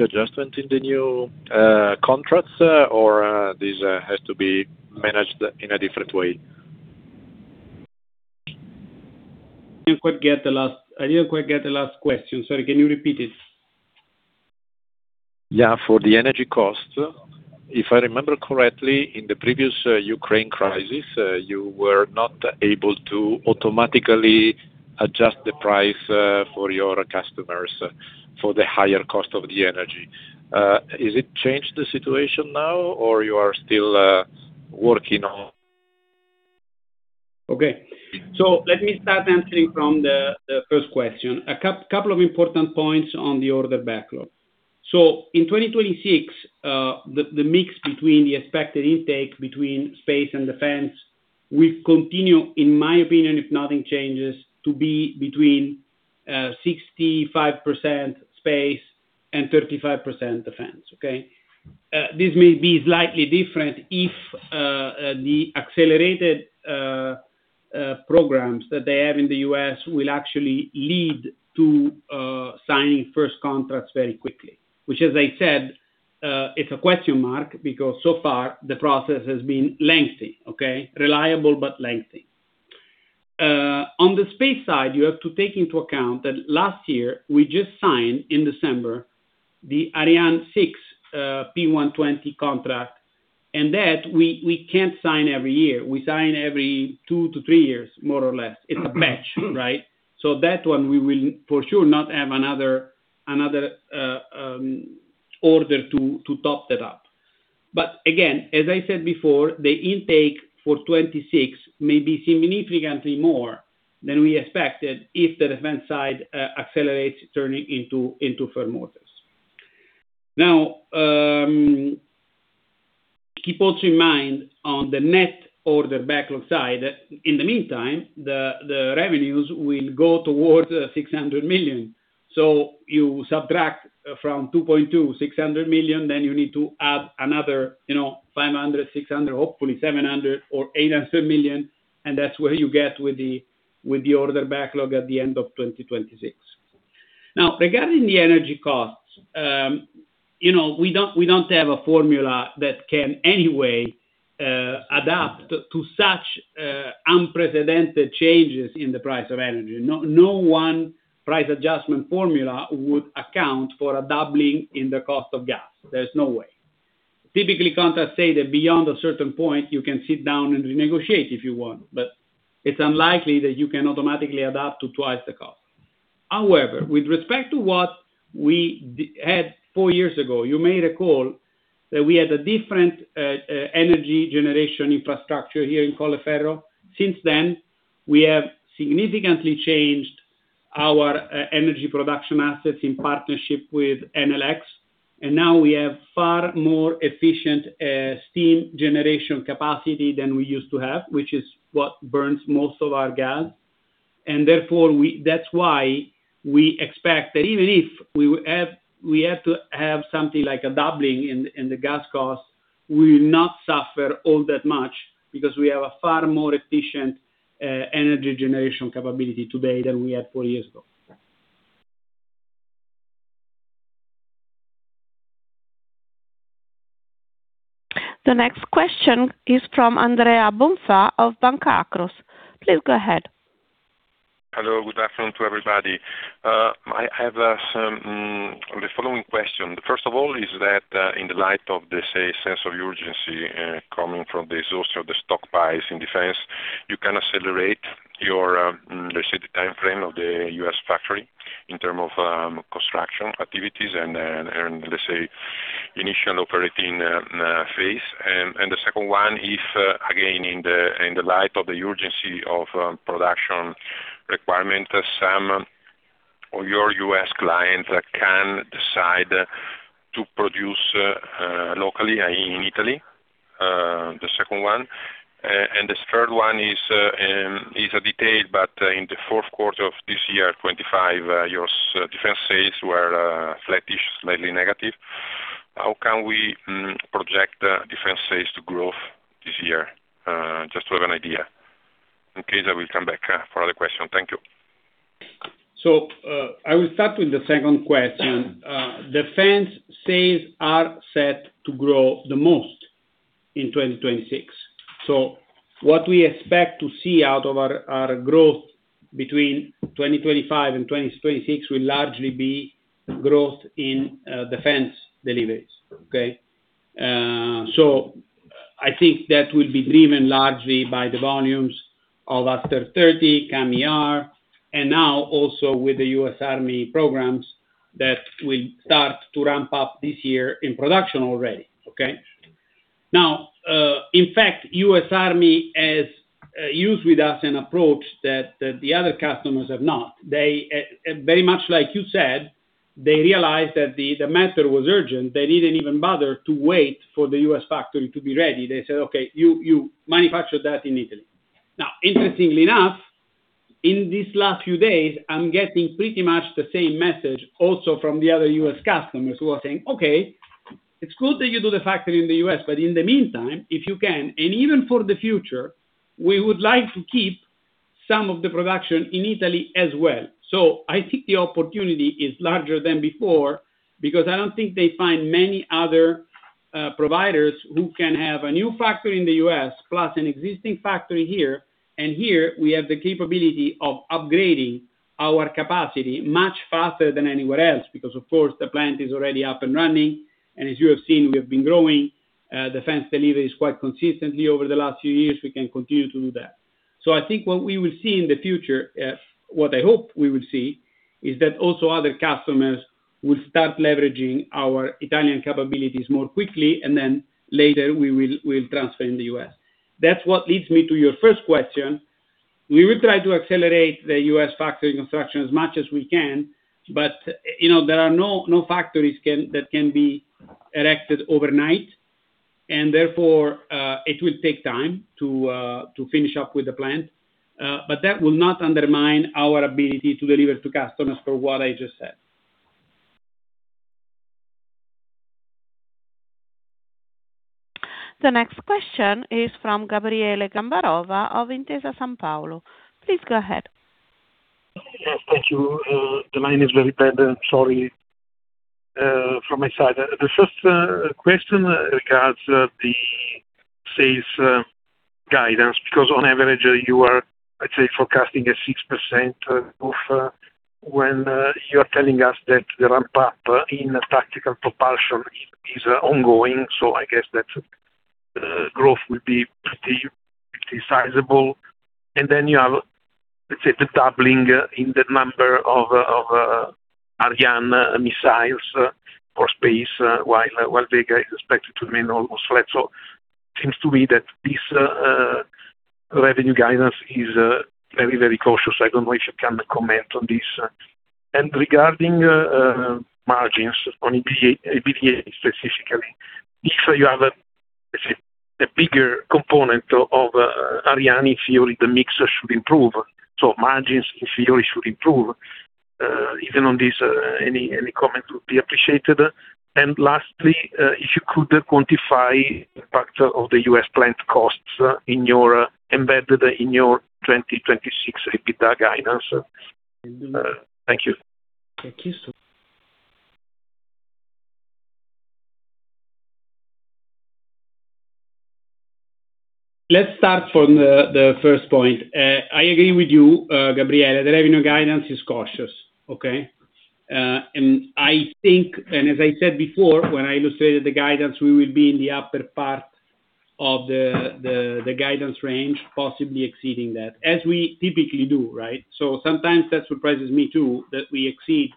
adjustment in the new contracts, or this has to be managed in a different way? I didn't quite get the last question. Sorry, can you repeat it? Yeah. For the energy cost, if I remember correctly, in the previous Ukraine crisis, you were not able to automatically adjust the price for your customers for the higher cost of the energy. Is it changed the situation now, or you are still working on? Okay. Let me start answering from the first question. A couple of important points on the order backlog. In 2026, the mix between the expected intake between space and defense will continue, in my opinion, if nothing changes, to be between 65% space and 35% defense. Okay? This may be slightly different if the accelerated programs that they have in the U.S. will actually lead to signing first contracts very quickly. Which, as I said, it's a question mark because so far the process has been lengthy. Okay? Reliable, but lengthy. On the space side, you have to take into account that last year, we just signed in December the Ariane 6 P120 contract, and that we can't sign every year. We sign every two to three years, more or less. It's a batch, right? That one we will for sure not have another order to top that up. Again, as I said before, the intake for 2026 may be significantly more than we expected if the defense side accelerates turning into firm orders. Now, keep also in mind on the net order backlog side, in the meantime, the revenues will go towards 600 million. You subtract from 2.2 billion the 600 million, then you need to add another, you know, 500 million, 600 million, hopefully 700 million or 800 million, and that's where you get with the order backlog at the end of 2026. Now, regarding the energy costs, you know, we don't have a formula that can anyway adapt to such unprecedented changes in the price of energy. No one price adjustment formula would account for a doubling in the cost of gas. There's no way. Typically, contracts say that beyond a certain point, you can sit down and renegotiate if you want, but it's unlikely that you can automatically adapt to twice the cost. However, with respect to what we had four years ago, you made a call that we had a different energy generation infrastructure here in Colleferro. Since then, we have significantly changed our energy production assets in partnership with Enel X. Now we have far more efficient steam generation capacity than we used to have, which is what burns most of our gas. Therefore, we. That's why we expect that even if we have to have something like a doubling in the gas costs, we will not suffer all that much because we have a far more efficient energy generation capability today than we had four years ago. The next question is from Andrea Bonfà of Banca Akros. Please go ahead. Hello. Good afternoon to everybody. I have the following question. First of all, in the light of the sense of urgency coming from the surge in the stock buys in defense, can you accelerate the timeframe of the U.S. factory in terms of construction activities and then initial operating phase. The second one, if again in the light of the urgency of production requirement, some of your U.S. clients can decide to produce locally in Italy. The third one is a detail, but in the fourth quarter of 2025, your defense sales were flattish, slightly negative. How can we project defense sales to grow this year? Just to have an idea. In case I will come back for other question. Thank you. I will start with the second question. Defense sales are set to grow the most in 2026. What we expect to see out of our growth between 2025 and 2026 will largely be growth in defense deliveries. Okay. I think that will be driven largely by the volumes of Aster 30, CAMM-ER, and now also with the U.S. Army programs that will start to ramp up this year in production already. Okay. Now, in fact, US Army has used with us an approach that the other customers have not. They very much like you said, they realized that the matter was urgent. They didn't even bother to wait for the US factory to be ready. They said, "Okay, you manufacture that in Italy." Now, interestingly enough, in these last few days, I'm getting pretty much the same message also from the other U.S. customers who are saying, "Okay, it's good that you do the factory in the U.S., but in the meantime, if you can, and even for the future, we would like to keep some of the production in Italy as well." I think the opportunity is larger than before because I don't think they find many other providers who can have a new factory in the U.S., plus an existing factory here. Here we have the capability of upgrading our capacity much faster than anywhere else, because of course, the plant is already up and running. As you have seen, we have been growing defense deliveries quite consistently over the last few years. We can continue to do that. I think what we will see in the future, what I hope we will see is that also other customers will start leveraging our Italian capabilities more quickly, and then later we will transfer in the U.S. That's what leads me to your first question. We will try to accelerate the U.S. factory construction as much as we can, but there are no factories that can be erected overnight, and therefore it will take time to finish up with the plant. That will not undermine our ability to deliver to customers for what I just said. The next question is from Gabriele Gambarova of Intesa Sanpaolo. Please go ahead. Yes, thank you. The line is very bad. Sorry, from my side. The first question regards the sales guidance, because on average you are, let's say, forecasting a 6% growth when you are telling us that the ramp up in tactical propulsion is ongoing. I guess that growth will be pretty sizable. Then you have, let's say, the doubling in the number of Ariane missions for space, while Vega is expected to remain almost flat. It seems to me that this revenue guidance is very cautious. I don't know if you can comment on this. Regarding margins on EBITDA specifically, if you have a, let's say, a bigger component of Ariane, in theory the mix should improve, so margins in theory should improve. Even on this, any comment would be appreciated. Lastly, if you could quantify the factor of the U.S. plant costs embedded in your 2026 EBITDA guidance. Thank you. Thank you. Let's start from the first point. I agree with you, Gabriele, the revenue guidance is cautious. Okay? I think, as I said before, when I illustrated the guidance, we will be in the upper part of the guidance range, possibly exceeding that, as we typically do, right? Sometimes that surprises me too, that we exceed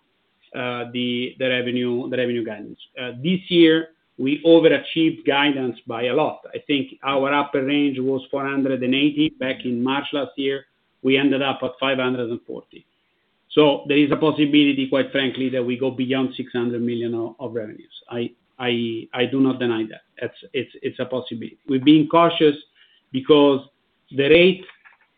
the revenue guidance. This year, we overachieved guidance by a lot. I think our upper range was 480 million back in March last year, we ended up at 540 million. There is a possibility, quite frankly, that we go beyond 600 million of revenues. I do not deny that. It's a possibility. We're being cautious because the rate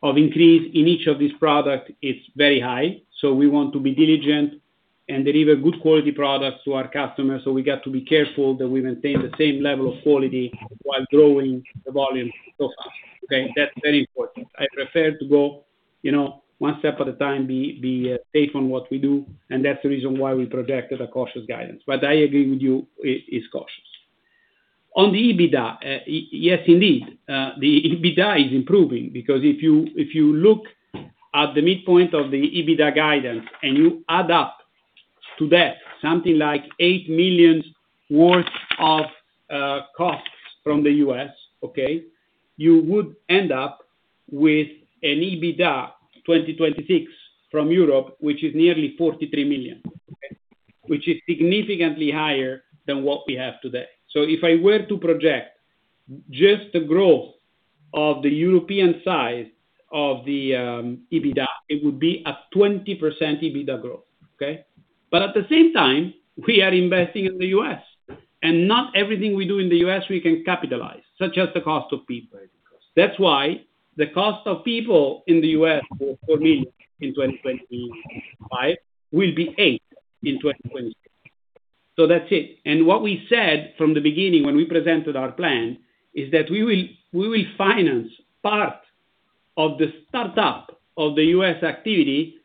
of increase in each of these products is very high, so we want to be diligent and deliver good quality products to our customers. We got to be careful that we maintain the same level of quality while growing the volume so fast. Okay. That's very important. I prefer to go, you know, one step at a time, be safe on what we do, and that's the reason why we projected a cautious guidance. I agree with you, it is cautious. On the EBITDA, yes, indeed. The EBITDA is improving because if you look at the midpoint of the EBITDA guidance and you add up to that something like $8 million worth of costs from the US, okay. You would end up with an EBITDA 2026 from Europe, which is nearly 43 million. Which is significantly higher than what we have today. If I were to project just the growth of the European side of the EBITDA, it would be a 20% EBITDA growth. Okay. At the same time, we are investing in the U.S., and not everything we do in the U.S. we can capitalize, such as the cost of people. That's why the cost of people in the U.S. were $4 million in 2025, will be $8 million in 2026. That's it. What we said from the beginning when we presented our plan is that we will finance part of the startup of the U.S. activity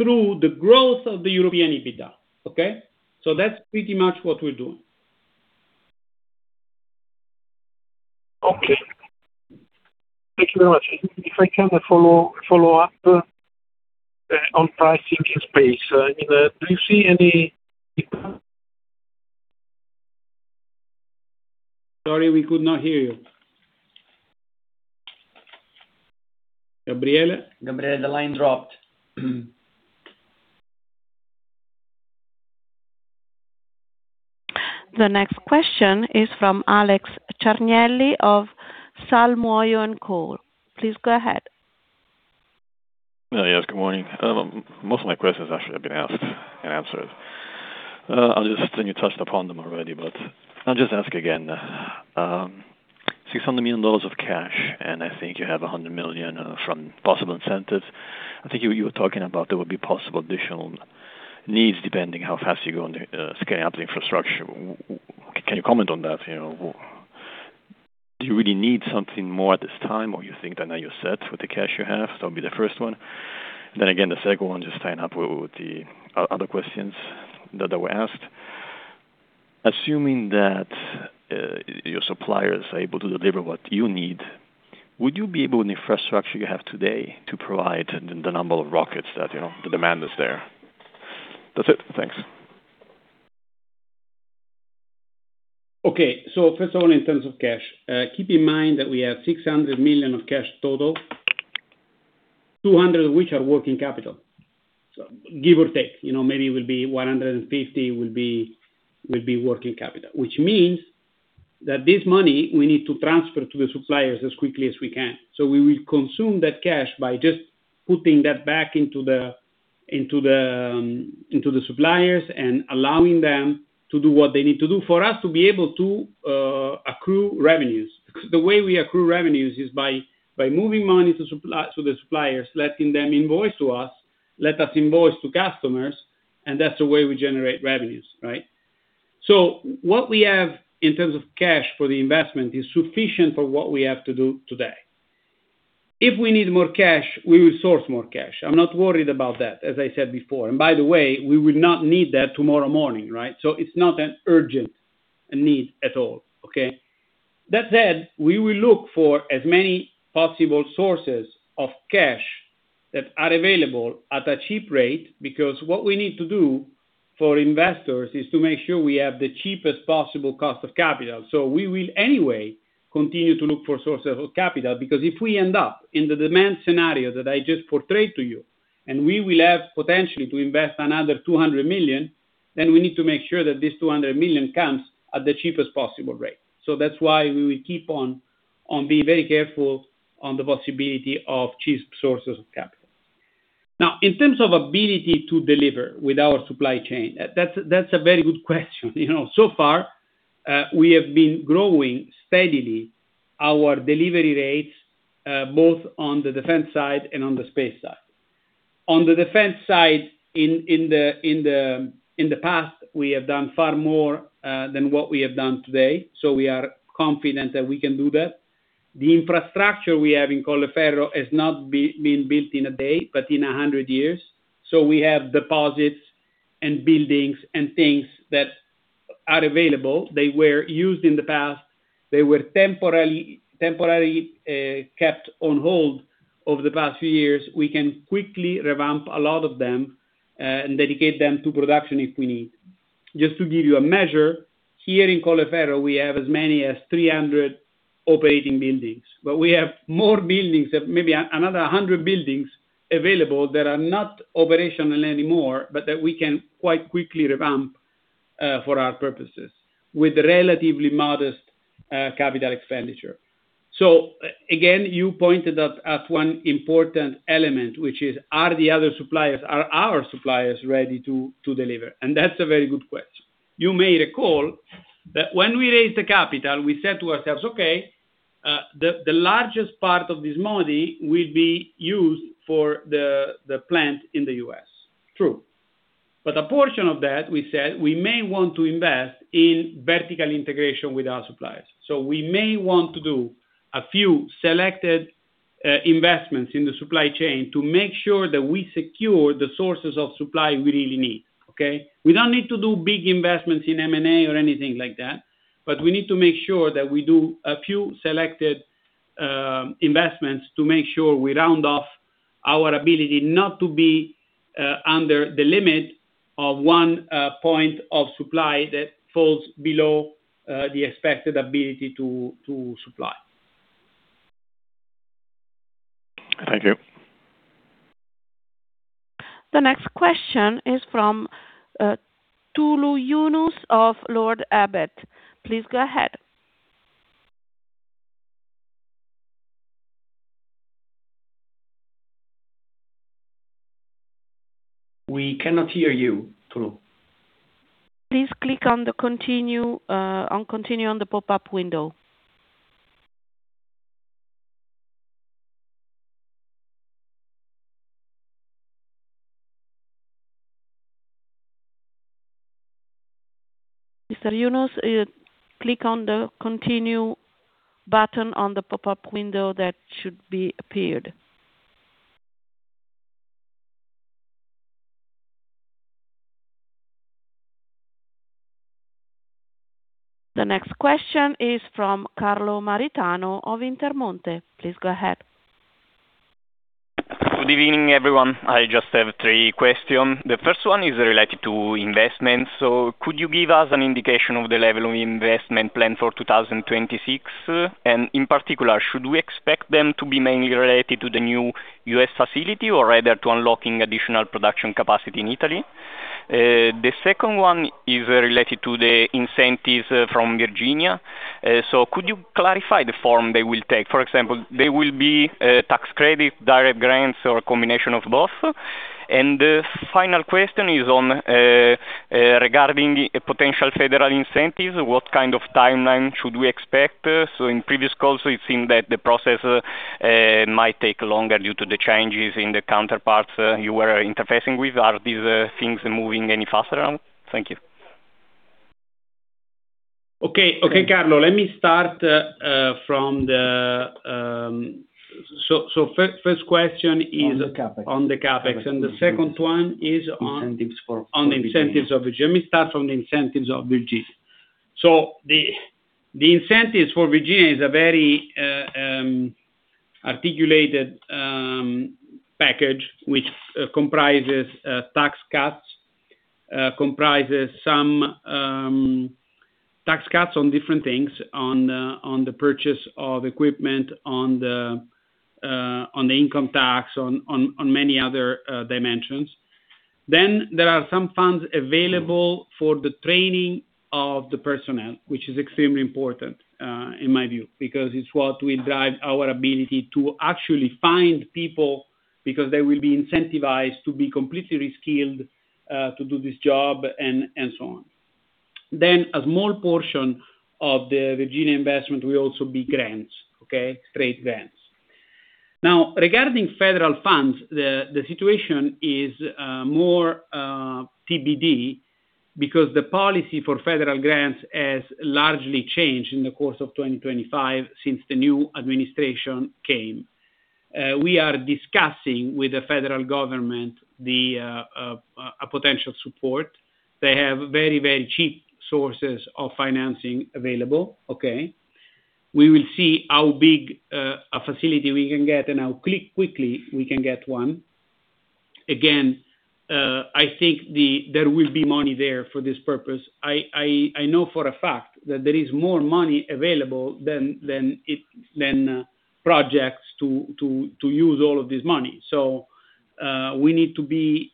through the growth of the European EBITDA. Okay. That's pretty much what we'll do. Okay. Thank you very much. If I can follow up on pricing and space. I mean, do you see any Sorry, we could not hear you. Gabriele? Gabriele, the line dropped. The next question is from Alessandro Ciarnelli of S. Muoio & Co. LLC. Please go ahead. Yes. Good morning. Most of my questions actually have been asked and answered. You touched upon them already, but I'll just ask again. $600 million of cash, and I think you have $100 million from possible incentives. I think you were talking about there would be possible additional needs depending how fast you go on the scale up the infrastructure. Can you comment on that? You know, do you really need something more at this time, or you think that now you're set with the cash you have? That'll be the first one. The second one, just tying up with the other questions that were asked. Assuming that your suppliers are able to deliver what you need, would you be able, the infrastructure you have today, to provide the number of rockets that, you know, the demand is there? That's it. Thanks. Okay. First of all, in terms of cash, keep in mind that we have 600 million of cash total, 200 which are working capital. Give or take, you know, maybe it will be 150 will be working capital. Which means that this money we need to transfer to the suppliers as quickly as we can. We will consume that cash by just putting that back into the suppliers and allowing them to do what they need to do for us to be able to accrue revenues. Because the way we accrue revenues is by moving money to the suppliers, letting them invoice to us, let us invoice to customers, and that's the way we generate revenues, right? What we have in terms of cash for the investment is sufficient for what we have to do today. If we need more cash, we will source more cash. I'm not worried about that, as I said before. By the way, we will not need that tomorrow morning, right? It's not an urgent need at all, okay? That said, we will look for as many possible sources of cash that are available at a cheap rate, because what we need to do for investors is to make sure we have the cheapest possible cost of capital. We will anyway continue to look for sources of capital, because if we end up in the demand scenario that I just portrayed to you, and we will have potentially to invest another 200 million, then we need to make sure that this 200 million comes at the cheapest possible rate. That's why we will keep on being very careful on the possibility of cheap sources of capital. Now, in terms of ability to deliver with our supply chain, that's a very good question. You know, so far, we have been growing steadily our delivery rates, both on the defense side and on the space side. On the defense side, in the past, we have done far more than what we have done today, so we are confident that we can do that. The infrastructure we have in Colleferro has not been built in a day, but in 100 years. We have deposits and buildings and things that are available. They were used in the past. They were temporarily kept on hold over the past few years. We can quickly revamp a lot of them and dedicate them to production if we need. Just to give you a measure, here in Colleferro, we have as many as 300 operating buildings. But we have more buildings, maybe another 100 buildings available that are not operational anymore, but that we can quite quickly revamp for our purposes with relatively modest capital expenditure. Again, you pointed out one important element, which is, are the other suppliers, are our suppliers ready to deliver? That's a very good question. You made a call that when we raised the capital, we said to ourselves, "Okay, the largest part of this money will be used for the plant in the U.S. True. A portion of that, we said we may want to invest in vertical integration with our suppliers. We may want to do a few selected investments in the supply chain to make sure that we secure the sources of supply we really need. Okay? We don't need to do big investments in M&A or anything like that, but we need to make sure that we do a few selected investments to make sure we round off our ability not to be under the limit of one point of supply that falls below the expected ability to supply. Thank you. The next question is from Tulu Yunus of Lord Abbett. Please go ahead. We cannot hear you, Tulu. Please click on Continue on the pop-up window. Mr. Yunus, click on the Continue button on the pop-up window that should be appeared. The next question is from Carlo Maritano of Intermonte. Please go ahead. Good evening, everyone. I just have three questions. The first one is related to investments. Could you give us an indication of the level of investment plan for 2026? And in particular, should we expect them to be mainly related to the new U.S. facility or rather to unlocking additional production capacity in Italy? The second one is related to the incentives from Virginia. Could you clarify the form they will take? For example, they will be tax credit, direct grants, or a combination of both. The final question is regarding potential federal incentives, what kind of timeline should we expect? In previous calls, it seemed that the process might take longer due to the changes in the counterparts you were interfacing with. Are these things moving any faster now? Thank you. Okay. Carlo, let me start from the first question. On the CapEx. The second one is on the incentives for Virginia. Let me start from the incentives of Virginia. The incentives for Virginia is a very articulated package which comprises some tax cuts on different things, on the purchase of equipment, on the income tax, on many other dimensions. Then there are some funds available for the training of the personnel, which is extremely important in my view, because it's what will drive our ability to actually find people, because they will be incentivized to be completely reskilled to do this job, and so on. A small portion of the Virginia investment will also be grants, okay? Straight grants. Now, regarding federal funds, the situation is more TBD because the policy for federal grants has largely changed in the course of 2025 since the new administration came. We are discussing with the federal government a potential support. They have very, very cheap sources of financing available. Okay? We will see how big a facility we can get and how quickly we can get one. Again, I think there will be money there for this purpose. I know for a fact that there is more money available than projects to use all of this money. We need to be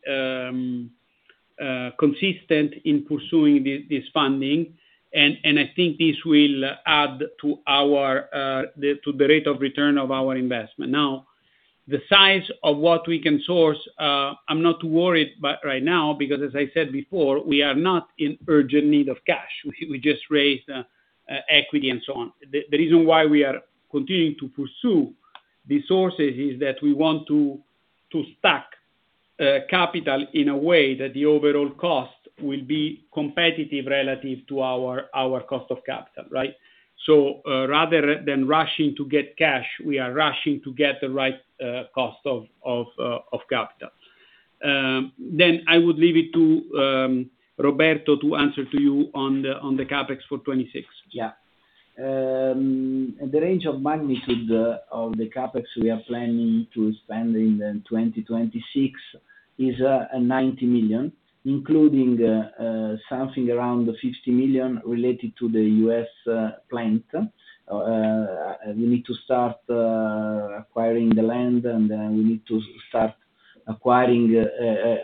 consistent in pursuing this funding. I think this will add to the rate of return of our investment. Now, the size of what we can source, I'm not worried about right now, because as I said before, we are not in urgent need of cash. We just raised equity and so on. The reason why we are continuing to pursue these sources is that we want to stack capital in a way that the overall cost will be competitive relative to our cost of capital, right? Rather than rushing to get cash, we are rushing to get the right cost of capital. I would leave it to Roberto to answer to you on the CapEx for 2026. The range of magnitude of the CapEx we are planning to spend in 2026 is 90 million, including something around 50 million related to the U.S. plant. We need to start acquiring the land, and then we need to start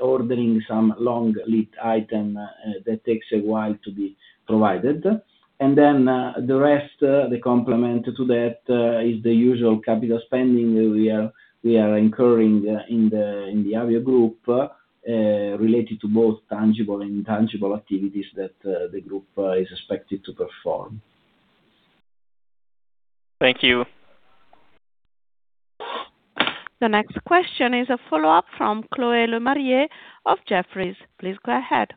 ordering some long lead time items that take a while to be provided. The rest, the complement to that, is the usual capital spending we are incurring in the Avio Group related to both tangible and intangible activities that the group is expected to perform. Thank you. The next question is a follow-up from Chloé Lemarié of Jefferies. Please go ahead.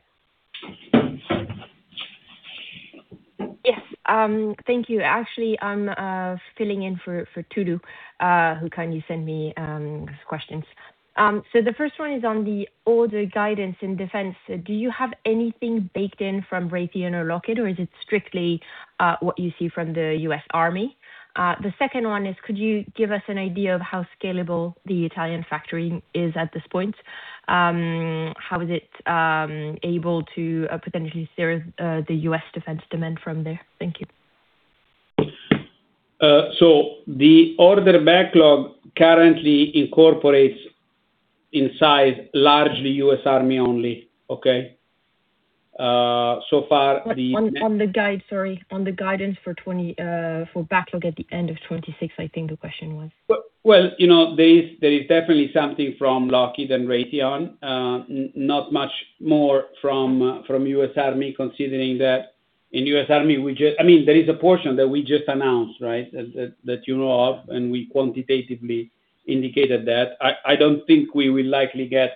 Yes, thank you. Actually, I'm filling in for Tulu who kindly sent me his questions. The first one is on the order guidance in defense. Do you have anything baked in from Raytheon or Lockheed, or is it strictly what you see from the U.S. Army? The second one is could you give us an idea of how scalable the Italian factory is at this point? How is it able to potentially serve the U.S. Defense demand from there? Thank you. The order backlog currently incorporates. It's largely U.S. Army only. Okay. On the guidance for 2026 backlog at the end of 2026, I think the question was. Well, you know, there is definitely something from Lockheed Martin and Raytheon. Not much more from U.S. Army, considering that in U.S. Army, I mean, there is a portion that we just announced, right? That you know of, and we quantitatively indicated that. I don't think we will likely get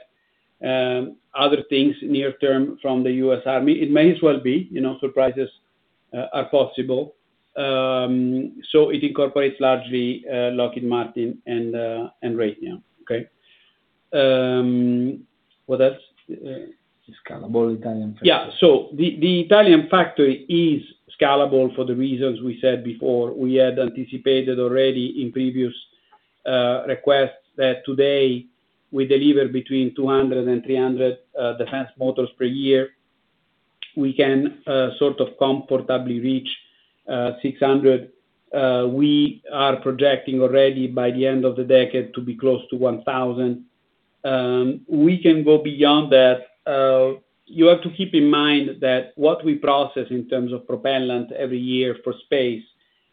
other things near term from the U.S. Army. It may as well be, you know, surprises are possible. It incorporates largely Lockheed Martin and Raytheon. Okay? What else? Scalable Italian factory. Yeah. The Italian factory is scalable for the reasons we said before. We had anticipated already in previous requests that today we deliver between 200 and 300 defense motors per year. We can sort of comfortably reach 600. We are projecting already by the end of the decade to be close to 1,000. We can go beyond that. You have to keep in mind that what we process in terms of propellant every year for space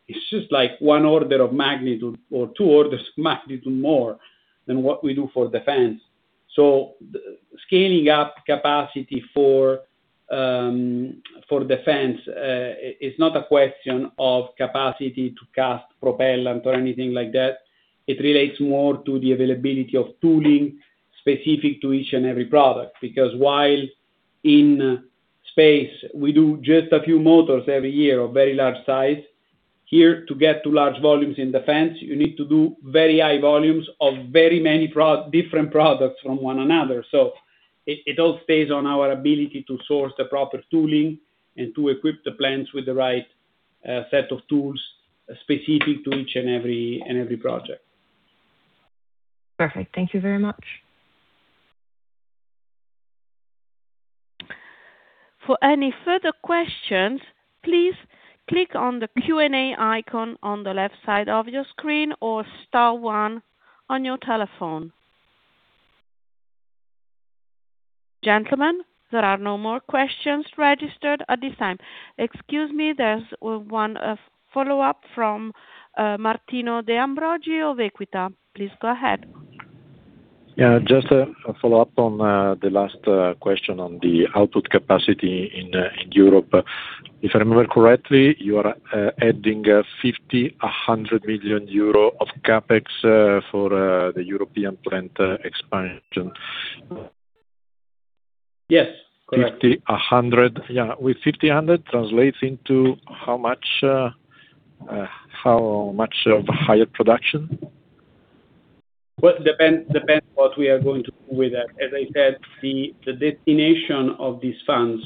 is just like one order of magnitude or two orders of magnitude more than what we do for defense. Scaling up capacity for defense is not a question of capacity to cast propellant or anything like that. It relates more to the availability of tooling specific to each and every product. Because while in space, we do just a few motors every year of very large size, here, to get to large volumes in defense, you need to do very high volumes of very many different products from one another. It all stays on our ability to source the proper tooling and to equip the plants with the right set of tools specific to each and every project. Perfect. Thank you very much. For any further questions, please click on the Q&A icon on the left side of your screen or star one on your telephone. Gentlemen, there are no more questions registered at this time. Excuse me, there's one follow-up from Martino de Ambroggi of Equita. Please go ahead. Just a follow-up on the last question on the output capacity in Europe. If I remember correctly, you are adding 50-100 million euro of CapEx for the European plant expansion. Yes. Correct. 50, 100. Yeah. With 50, 100 translates into how much higher production? Well, depends what we are going to do with that. As I said, the destination of these funds,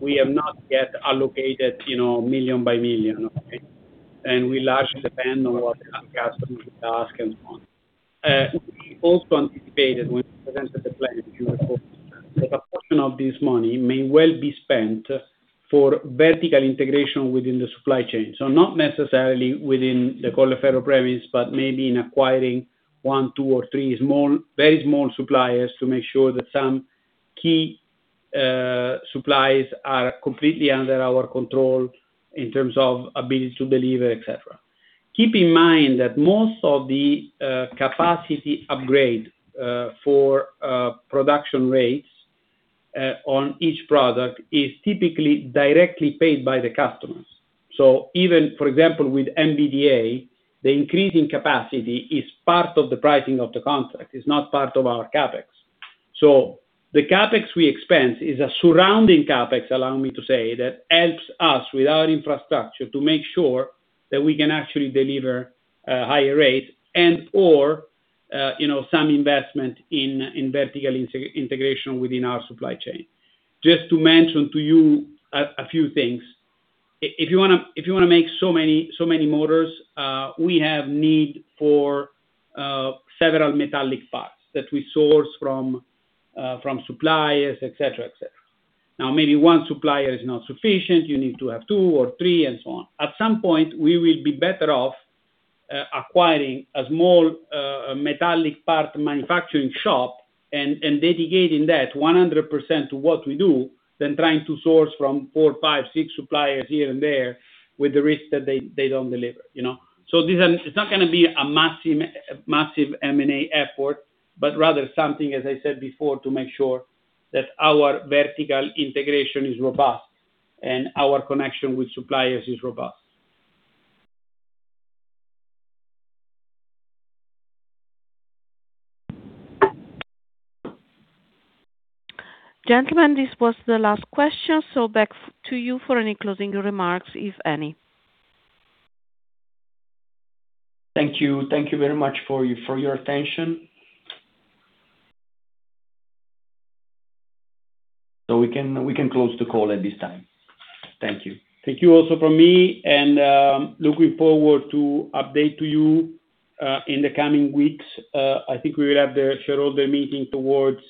we have not yet allocated, you know, million by million. Okay? We largely depend on what the customers ask and so on. We also anticipated when we presented the plan that you were focusing on, that a portion of this money may well be spent for vertical integration within the supply chain. Not necessarily within the Colleferro premise, but maybe in acquiring one, two, or three small, very small suppliers to make sure that some key supplies are completely under our control in terms of ability to deliver, et cetera. Keep in mind that most of the capacity upgrade for production rates on each product is typically directly paid by the customers. Even, for example, with MBDA, the increase in capacity is part of the pricing of the contract. It's not part of our CapEx. The CapEx we expense is a surrounding CapEx, allow me to say, that helps us with our infrastructure to make sure that we can actually deliver a higher rate and/or some investment in vertical integration within our supply chain. Just to mention to you a few things. If you want to make so many motors, we have need for several metallic parts that we source from suppliers, et cetera. Now, maybe one supplier is not sufficient, you need to have two or three and so on. At some point, we will be better off acquiring a small metallic part manufacturing shop and dedicating that 100% to what we do than trying to source from 4, 5, 6 suppliers here and there with the risk that they don't deliver, you know? It's not gonna be a massive M&A effort, but rather something, as I said before, to make sure that our vertical integration is robust and our connection with suppliers is robust. Gentlemen, this was the last question, so back to you for any closing remarks, if any. Thank you. Thank you very much for your attention. We can close the call at this time. Thank you. Thank you also from me, looking forward to update to you in the coming weeks. I think we will have the shareholder meeting towards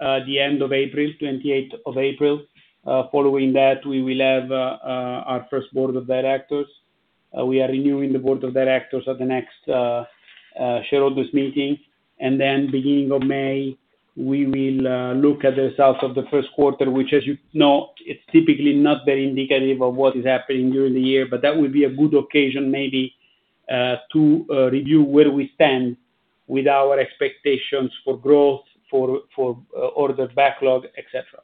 the end of April, 28th of April. Following that, we will have our first board of directors. We are renewing the board of directors at the next shareholders meeting. Beginning of May, we will look at the results of the first quarter, which as you know, it's typically not very indicative of what is happening during the year, but that would be a good occasion maybe to review where we stand with our expectations for growth, for order backlog, et cetera.